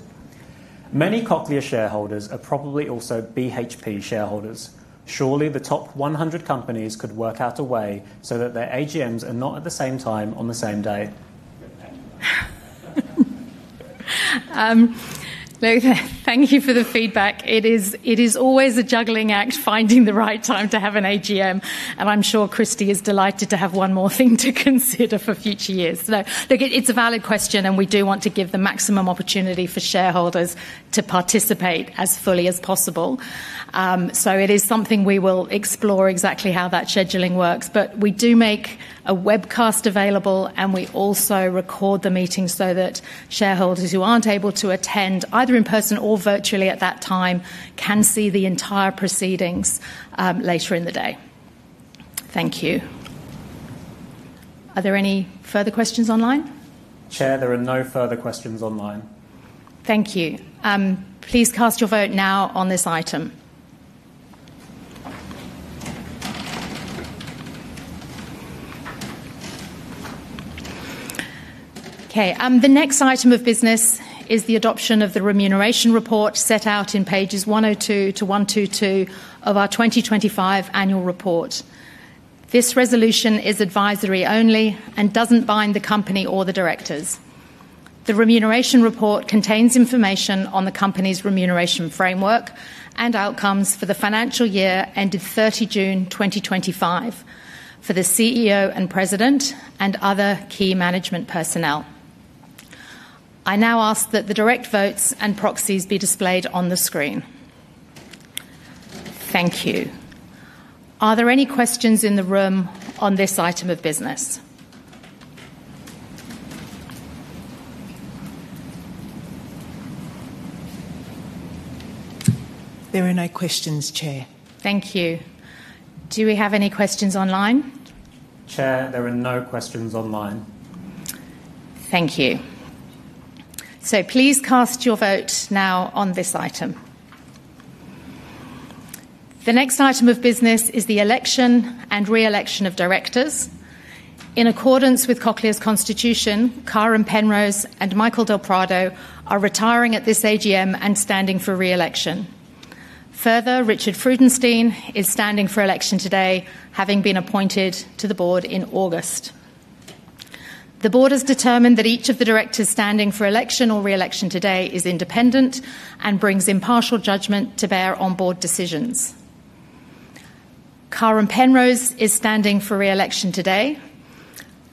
Many Cochlear shareholders are probably also BHP shareholders. Surely, the top 100 companies could work out a way so that their AGMs are not at the same time on the same day. Thank you for the feedback. It is always a juggling act finding the right time to have an AGM, and I'm sure Christine is delighted to have one more thing to consider for future years. No, it's a valid question, and we do want to give the maximum opportunity for shareholders to participate as fully as possible. It is something we will explore exactly how that scheduling works, but we do make a webcast available, and we also record the meeting so that shareholders who aren't able to attend either in person or virtually at that time can see the entire proceedings later in the day. Thank you. Are there any further questions online? Chair, there are no further questions online. Thank you. Please cast your vote now on this item. Okay, the next item of business is the adoption of the remuneration report set out in pages 102-122 of our 2025 annual report. This resolution is advisory only and doesn't bind the company or the directors. The remuneration report contains information on the company's remuneration framework and outcomes for the financial year ended 30 June 2025 for the CEO and President and other key management personnel. I now ask that the direct votes and proxies be displayed on the screen. Thank you. Are there any questions in the room on this item of business? There are no questions, Chair. Thank you. Do we have any questions online? Chair, there are no questions online. Thank you. Please cast your vote now on this item. The next item of business is the election and reelection of directors. In accordance with Cochlear's Constitution, Karen Penrose and Michael Del Prado are retiring at this AGM and standing for reelection. Further, Richard Freudenstein is standing for election today, having been appointed to the board in August. The board has determined that each of the directors standing for election or reelection today is independent and brings impartial judgment to bear on board decisions. Karen Penrose is standing for reelection today.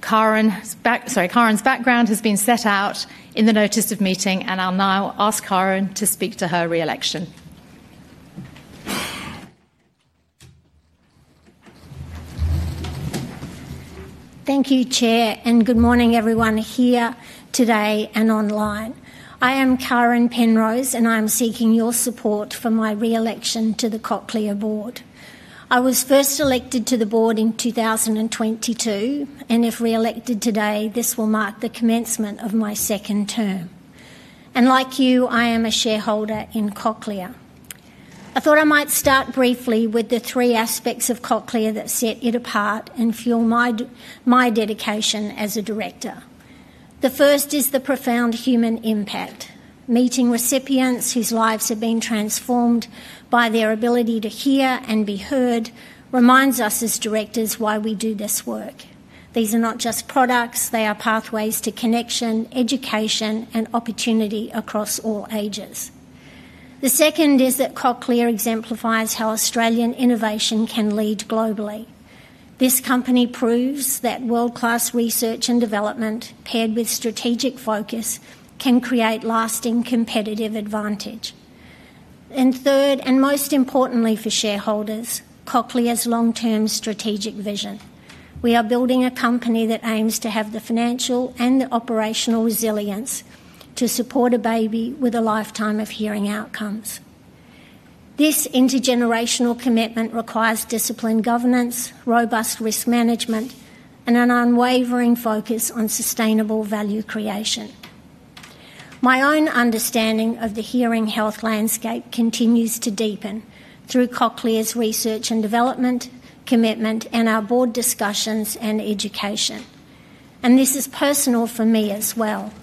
Karen's background has been set out in the notice of meeting, and I'll now ask Karen to speak to her reelection. Thank you, Chair, and good morning, everyone here today and online. I am Karen Penrose, and I am seeking your support for my reelection to the Cochlear board. I was first elected to the board in 2022, and if reelected today, this will mark the commencement of my second term. Like you, I am a shareholder in Cochlear. I thought I might start briefly with the three aspects of Cochlear that set it apart and fuel my dedication as a director. The first is the profound human impact. Meeting recipients whose lives have been transformed by their ability to hear and be heard reminds us as directors why we do this work. These are not just products, they are pathways to connection, education, and opportunity across all ages. The second is that Cochlear exemplifies how Australian innovation can lead globally. This company proves that world-class research and development paired with strategic focus can create lasting competitive advantage. Third, and most importantly for shareholders, Cochlear's long-term strategic vision. We are building a company that aims to have the financial and the operational resilience to support a baby with a lifetime of hearing outcomes. This intergenerational commitment requires disciplined governance, robust risk management, and an unwavering focus on sustainable value creation. My own understanding of the hearing health landscape continues to deepen through Cochlear's research and development commitment and our board discussions and education. This is personal for me as well.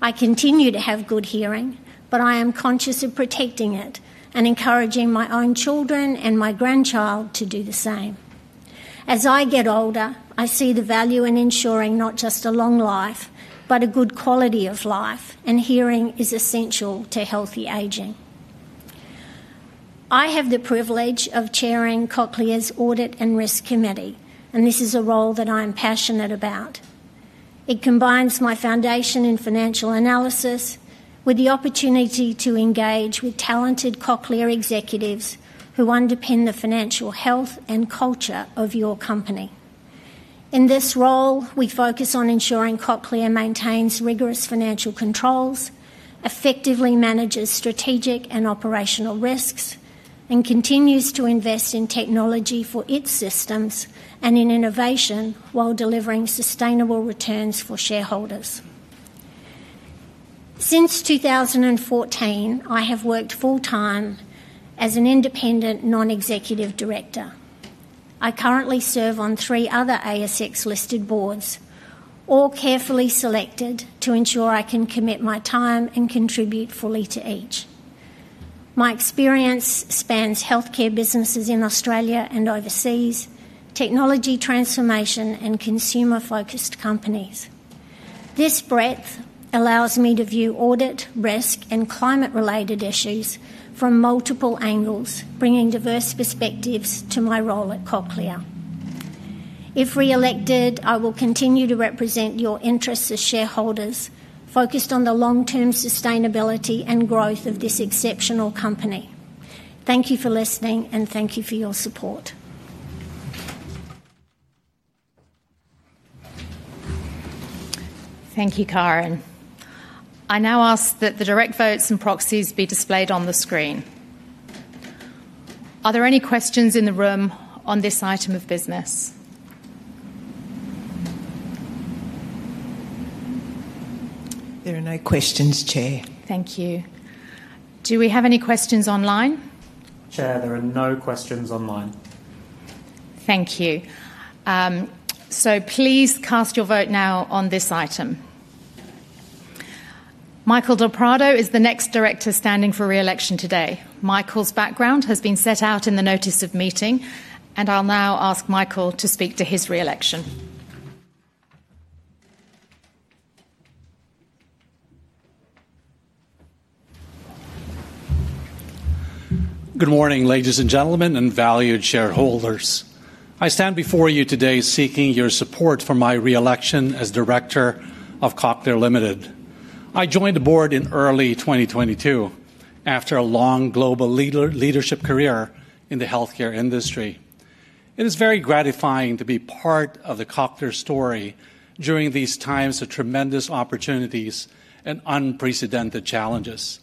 I continue to have good hearing, but I am conscious of protecting it and encouraging my own children and my grandchild to do the same. As I get older, I see the value in ensuring not just a long life, but a good quality of life, and hearing is essential to healthy aging. I have the privilege of chairing Cochlear's Audit and Risk Committee, and this is a role that I am passionate about. It combines my foundation in financial analysis with the opportunity to engage with talented Cochlear executives who underpin the financial health and culture of your company. In this role, we focus on ensuring Cochlear maintains rigorous financial controls, effectively manages strategic and operational risks, and continues to invest in technology for its systems and in innovation while delivering sustainable returns for shareholders. Since 2014, I have worked full-time as an independent non-executive director. I currently serve on three other ASX listed boards, all carefully selected to ensure I can commit my time and contribute fully to each. My experience spans healthcare businesses in Australia and overseas, technology transformation, and consumer-focused companies. This breadth allows me to view audit, risk, and climate-related issues from multiple angles, bringing diverse perspectives to my role at Cochlear. If reelected, I will continue to represent your interests as shareholders focused on the long-term sustainability and growth of this exceptional company. Thank you for listening, and thank you for your support. Thank you, Karen. I now ask that the direct votes and proxies be displayed on the screen. Are there any questions in the room on this item of business? There are no questions, chair. Thank you. Do we have any questions online? Chair, there are no questions online. Thank you. Please cast your vote now on this item. Michael Del Prado is the next Director standing for reelection today. Michael's background has been set out in the notice of meeting, and I'll now ask Michael to speak to his reelection. Good morning, ladies and gentlemen, and valued shareholders. I stand before you today seeking your support for my reelection as Director of Cochlear Limited. I joined the board in early 2022 after a long global leadership career in the healthcare industry. It is very gratifying to be part of the Cochlear story during these times of tremendous opportunities and unprecedented challenges.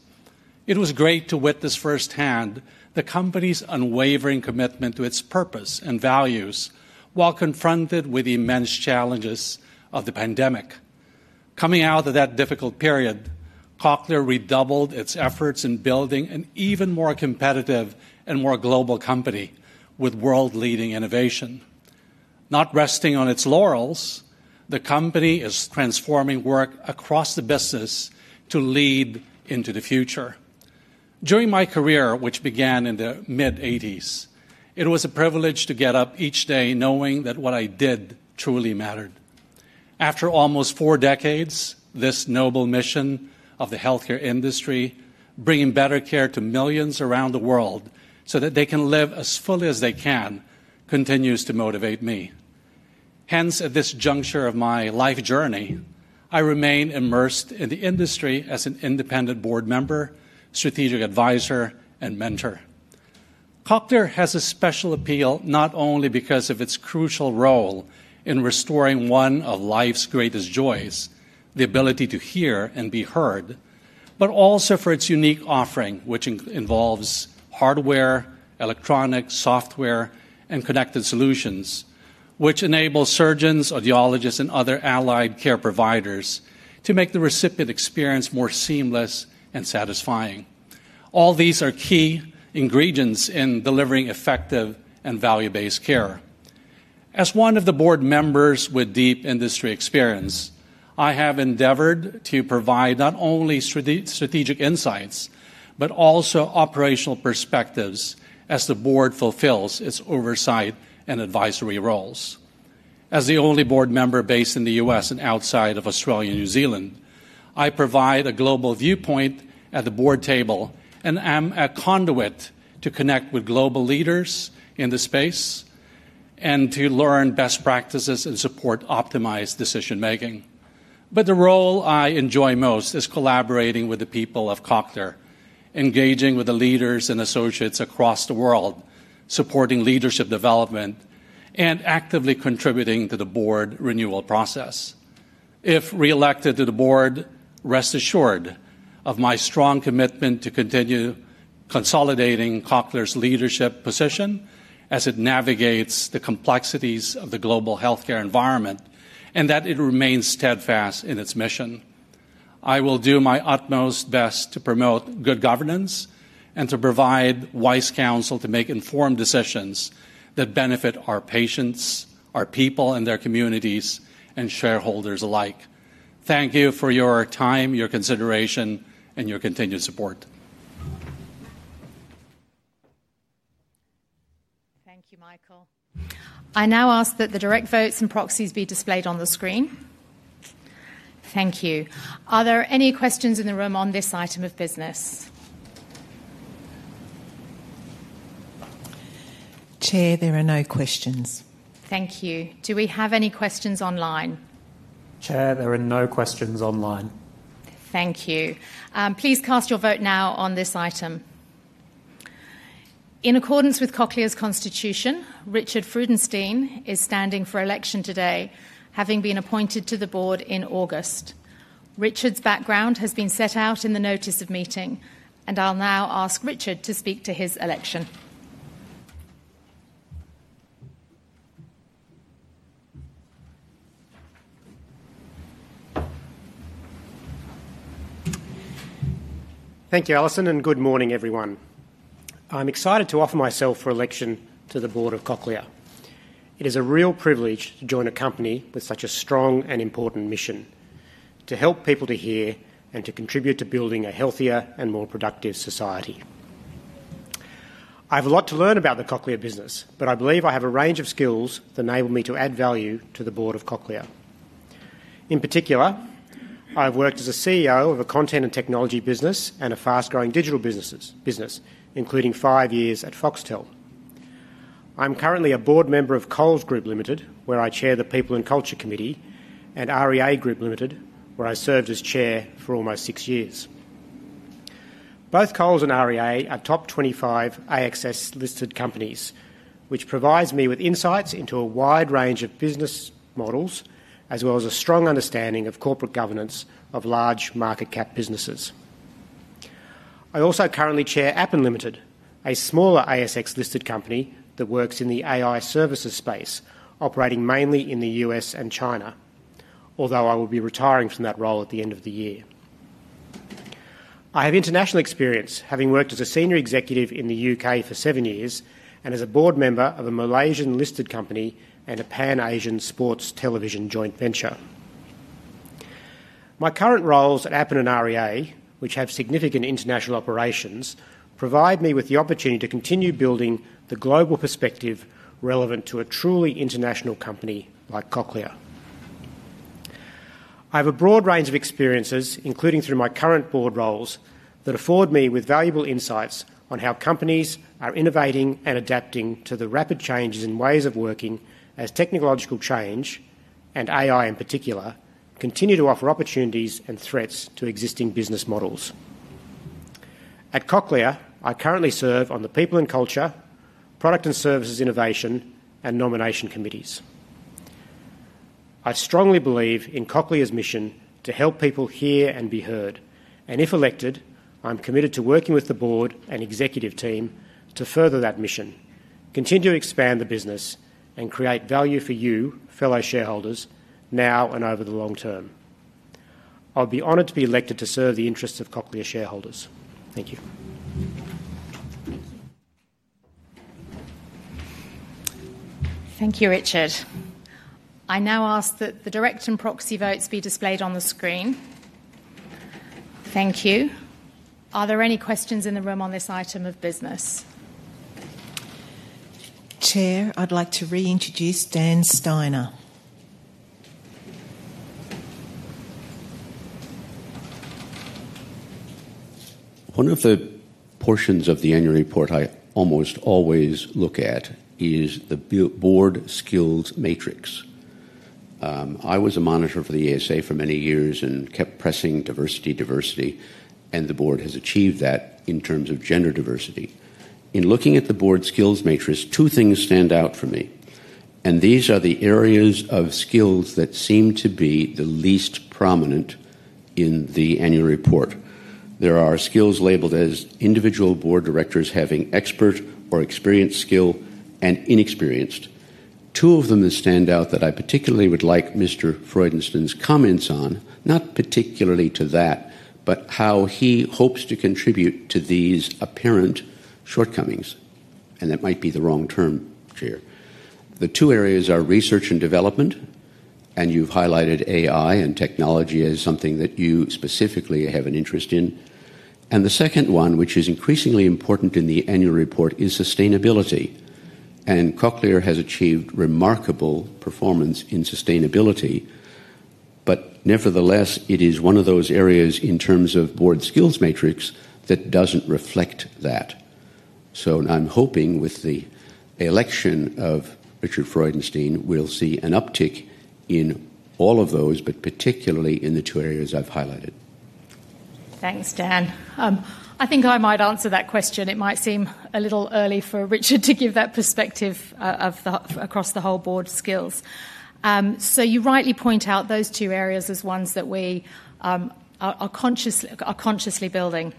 It was great to witness firsthand the company's unwavering commitment to its purpose and values while confronted with the immense challenges of the pandemic. Coming out of that difficult period, Cochlear redoubled its efforts in building an even more competitive and more global company with world-leading innovation. Not resting on its laurels, the company is transforming work across the business to lead into the future. During my career, which began in the mid-1980s, it was a privilege to get up each day knowing that what I did truly mattered. After almost four decades, this noble mission of the healthcare industry bringing better care to millions around the world so that they can live as fully as they can continues to motivate me. Hence, at this juncture of my life journey, I remain immersed in the industry as an independent board member, strategic advisor, and mentor. Cochlear has a special appeal not only because of its crucial role in restoring one of life's greatest joys, the ability to hear and be heard, but also for its unique offering, which involves hardware, electronics, software, and connected solutions, which enable surgeons, audiologists, and other allied care providers to make the recipient experience more seamless and satisfying. All these are key ingredients in delivering effective and value-based care. As one of the board members with deep industry experience, I have endeavored to provide not only strategic insights but also operational perspectives as the board fulfills its oversight and advisory roles. As the only board member based in the U.S. and outside of Australia and New Zealand, I provide a global viewpoint at the board table and am a conduit to connect with global leaders in the space and to learn best practices and support optimized decision-making. The role I enjoy most is collaborating with the people of Cochlear, engaging with the leaders and associates across the world, supporting leadership development, and actively contributing to the board renewal process. If reelected to the board, rest assured of my strong commitment to continue consolidating Cochlear's leadership position as it navigates the complexities of the global healthcare environment and that it remains steadfast in its mission. I will do my utmost best to promote good governance and to provide wise counsel to make informed decisions that benefit our patients, our people, and their communities and shareholders alike. Thank you for your time, your consideration, and your continued support. Thank you, Michael. I now ask that the direct votes and proxies be displayed on the screen. Thank you. Are there any questions in the room on this item of business? Chair, there are no questions. Thank you. Do we have any questions online? Chair, there are no questions online. Thank you. Please cast your vote now on this item. In accordance with Cochlear's Constitution, Richard Freudenstein is standing for election today, having been appointed to the board in August. Richard's background has been set out in the notice of meeting, and I'll now ask Richard to speak to his election. Thank you, Alison, and good morning, everyone. I'm excited to offer myself for election to the board of Cochlear. It is a real privilege to join a company with such a strong and important mission to help people to hear and to contribute to building a healthier and more productive society. I have a lot to learn about the Cochlear business, but I believe I have a range of skills that enable me to add value to the board of Cochlear. In particular, I have worked as a CEO of a content and technology business and a fast-growing digital business, including five years at Foxtel. I'm currently a board member of Coles Group Ltd, where I chair the People and Culture Committee, and REA Group Ltd, where I served as chair for almost six years. Both Coles and REA are top 25 ASX listed companies, which provides me with insights into a wide range of business models, as well as a strong understanding of corporate governance of large market cap businesses. I also currently chair Appen Ltd, a smaller ASX listed company that works in the AI services space, operating mainly in the U.S. and China, although I will be retiring from that role at the end of the year. I have international experience, having worked as a senior executive in the U.K. for seven years and as a board member of a Malaysian listed company and a Pan-Asian sports television joint venture. My current roles at Appen and REA, which have significant international operations, provide me with the opportunity to continue building the global perspective relevant to a truly international company like Cochlear. I have a broad range of experiences, including through my current board roles, that afford me with valuable insights on how companies are innovating and adapting to the rapid changes in ways of working as technological change and AI in particular continue to offer opportunities and threats to existing business models. At Cochlear, I currently serve on the People and Culture, Product and Services Innovation, and Nomination Committees. I strongly believe in Cochlear's mission to help people hear and be heard, and if elected, I'm committed to working with the board and executive team to further that mission, continue to expand the business, and create value for you, fellow shareholders, now and over the long term. I'll be honored to be elected to serve the interests of Cochlear shareholders. Thank you. Thank you, Richard. I now ask that the direct and proxy votes be displayed on the screen. Thank you. Are there any questions in the room on this item of business? Chair, I'd like to reintroduce Dan Steiner. One of the portions of the annual report I almost always look at is the board skills matrix. I was a monitor for the ASA for many years and kept pressing diversity, diversity, and the board has achieved that in terms of gender diversity. In looking at the board skills matrix, two things stand out for me, and these are the areas of skills that seem to be the least prominent in the annual report. There are skills labeled as individual board directors having expert or experienced skill and inexperienced. Two of them that stand out that I particularly would like Mr. Freudenstein's comments on, not particularly to that, but how he hopes to contribute to these apparent shortcomings, and that might be the wrong term, chair. The two areas are research and development, and you've highlighted AI and technology as something that you specifically have an interest in. The second one, which is increasingly important in the annual report, is sustainability, and Cochlear has achieved remarkable performance in sustainability, but nevertheless, it is one of those areas in terms of board skills matrix that doesn't reflect that. I'm hoping with the election of Richard Freudenstein, we'll see an uptick in all of those, but particularly in the two areas I've highlighted. Thanks, Dan. I think I might answer that question. It might seem a little early for Richard to give that perspective across the whole board skills. You rightly point out those two areas as ones that we are consciously building.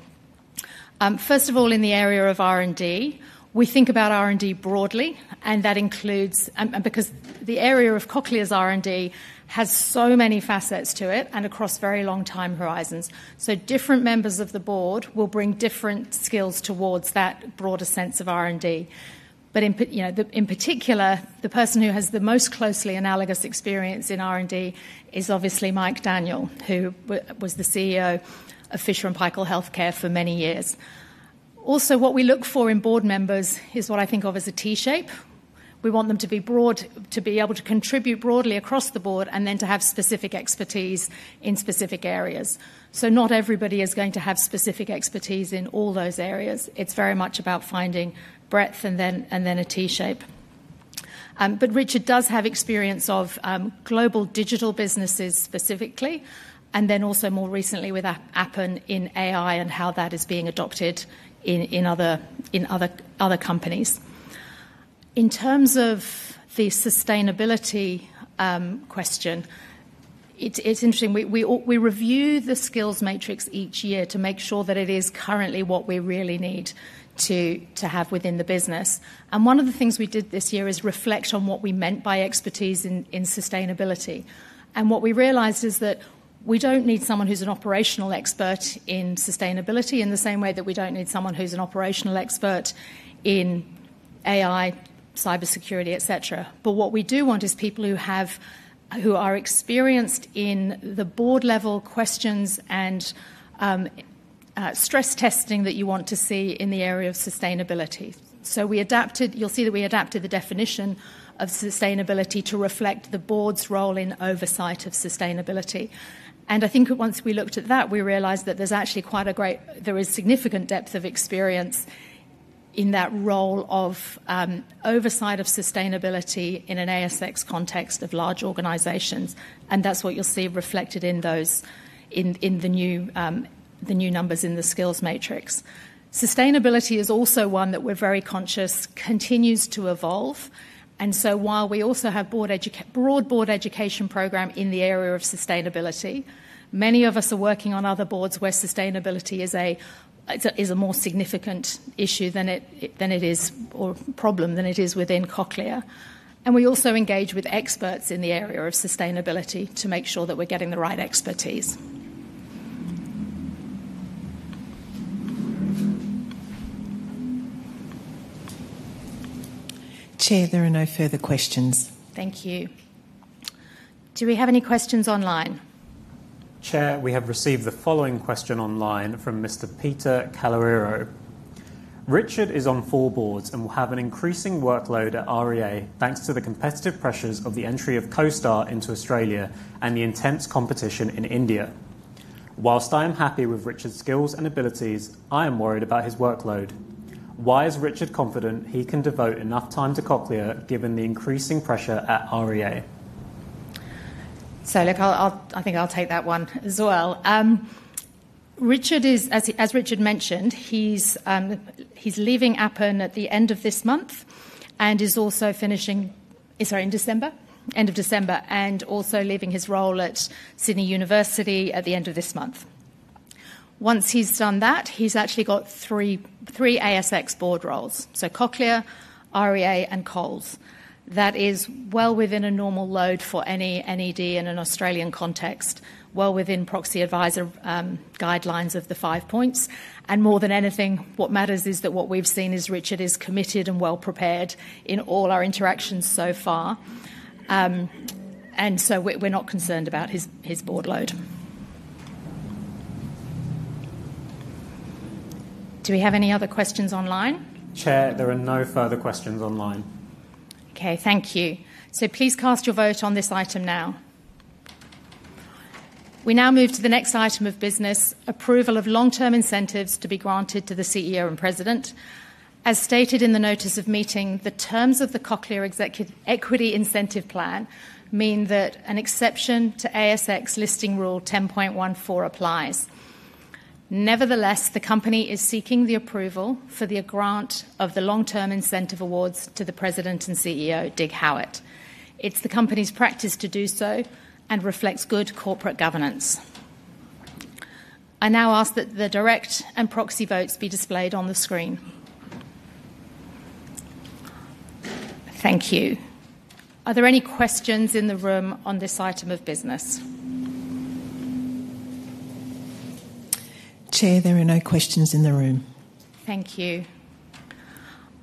First of all, in the area of R&D, we think about R&D broadly, and that includes, because the area of Cochlear's R&D has so many facets to it and across very long time horizons. Different members of the board will bring different skills towards that broader sense of R&D. In particular, the person who has the most closely analogous experience in R&D is obviously Mike Daniell, who was the CEO of Fisher & Paykel Healthcare for many years. Also, what we look for in board members is what I think of as a T-shape. We want them to be broad, to be able to contribute broadly across the board, and then to have specific expertise in specific areas. Not everybody is going to have specific expertise. In all those areas, it's very much about finding breadth and then a T-shape. Richard does have experience of global digital businesses specifically, and then also more recently with Appen in AI and how that is being adopted in other companies. In terms of the sustainability question, it's interesting. We review the skills matrix each year to make sure that it is currently what we really need to have within the business. One of the things we did this year is reflect on what we meant by expertise in sustainability. What we realized is that we don't need someone who's an operational expert in sustainability in the same way that we don't need someone who's an operational expert in AI, cybersecurity, etc. What we do want is people who are experienced in the board-level questions and stress testing that you want to see in the area of sustainability. We adapted, you'll see that we adapted the definition of sustainability to reflect the board's role in oversight of sustainability. I think once we looked at that, we realized that there's actually quite a great, there is significant depth of experience in that role of oversight of sustainability in an ASX context of large organizations. That's what you'll see reflected in the new numbers in the skills matrix. Sustainability is also one that we're very conscious continues to evolve. While we also have a broad board education program in the area of sustainability, many of us are working on other boards where sustainability is a more significant issue than it is, or problem than it is within Cochlear. We also engage with experts in the area of sustainability to make sure that we're getting the right expertise. Chair, there are no further questions. Thank you. Do we have any questions online? Chair, we have received the following question online from Mr. Peter Calorero. Richard is on four boards and will have an increasing workload at REA thanks to the competitive pressures of the entry of CoStar into Australia and the intense competition in India. Whilst I am happy with Richard's skills and abilities, I am worried about his workload. Why is Richard confident he can devote enough time to Cochlear given the increasing pressure at REA? I think I'll take that one as well. Richard, as Richard mentioned, he's leaving Appen at the end of this month and is also finishing, is that in December, end of December, and also leaving his role at Sydney University at the end of this month. Once he's done that, he's actually got three ASX board roles: Cochlear, REA, and Coles. That is well within a normal load for any NED in an Australian context, well within proxy advisor guidelines of the five points. More than anything, what matters is that what we've seen is Richard is committed and well prepared in all our interactions so far. We're not concerned about his board load. Do we have any other questions online? Chair, there are no further questions online. Okay, thank you. Please cast your vote on this item now. We now move to the next item of business, approval of long-term incentives to be granted to the CEO and President. As stated in the notice of meeting, the terms of the Cochlear Equity Incentive Plan mean that an exception to ASX listing rule 10.14 applies. Nevertheless, the company is seeking the approval for the grant of the long-term incentive awards to the President and CEO, Dig Howitt. It's the company's practice to do so and reflects good corporate governance. I now ask that the direct and proxy votes be displayed on the screen. Thank you. Are there any questions in the room on this item of business? Chair, there are no questions in the room. Thank you.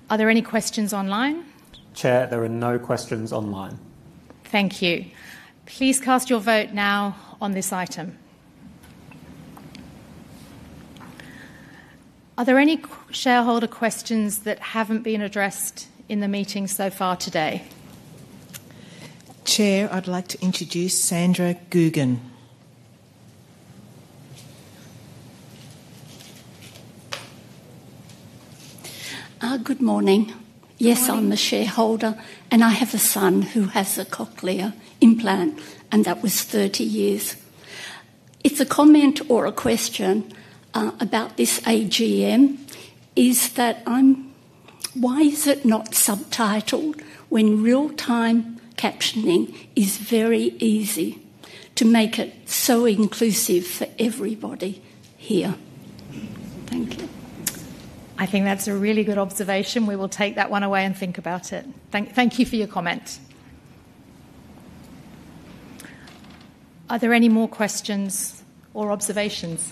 Are there any questions online? Chair, there are no questions online. Thank you. Please cast your vote now on this item. Are there any shareholder questions that haven't been addressed in the meeting so far today? Chair, I'd like to introduce Sandra Googan. Good morning. Yes, I'm a shareholder and I have a son who has a Cochlear implant and that was 30 years. I have a comment or a question about this AGM. Why is it not subtitled when real-time captioning is very easy to make it so inclusive for everybody here? Thank you. I think that's a really good observation. We will take that one away and think about it. Thank you for your comment. Are there any more questions or observations?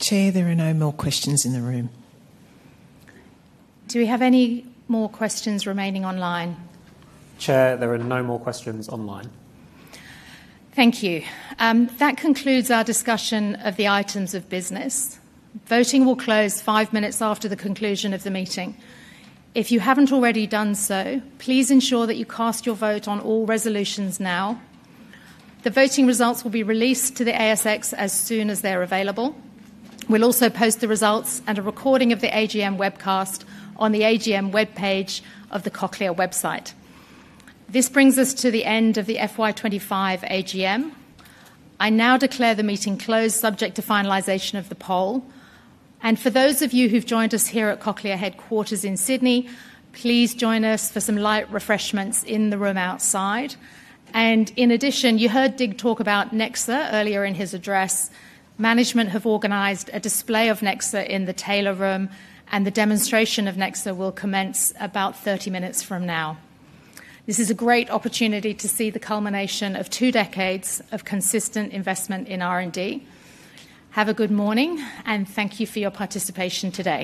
Chair, there are no more questions in the room. Do we have any more questions remaining online? Chair, there are no more questions online. Thank you. That concludes our discussion of the items of business. Voting will close five minutes after the conclusion of the meeting. If you haven't already done so, please ensure that you cast your vote on all resolutions now. The voting results will be released to the ASX as soon as they're available. We'll also post the results and a recording of the AGM webcast on the AGM webpage of the Cochlear website. This brings us to the end of the FY25 AGM. I now declare the meeting closed, subject to finalization of the poll. For those of you who've joined us here at Cochlear headquarters in Sydney, please join us for some light refreshments in the room outside. In addition, you heard Dig talk about Nexa earlier in his address. Management has organized a display of Nexa in the Taylor Room, and the demonstration of Nexa will commence about 30 minutes from now. This is a great opportunity to see the culmination of two decades of consistent investment in R&D. Have a good morning, and thank you for your participation today.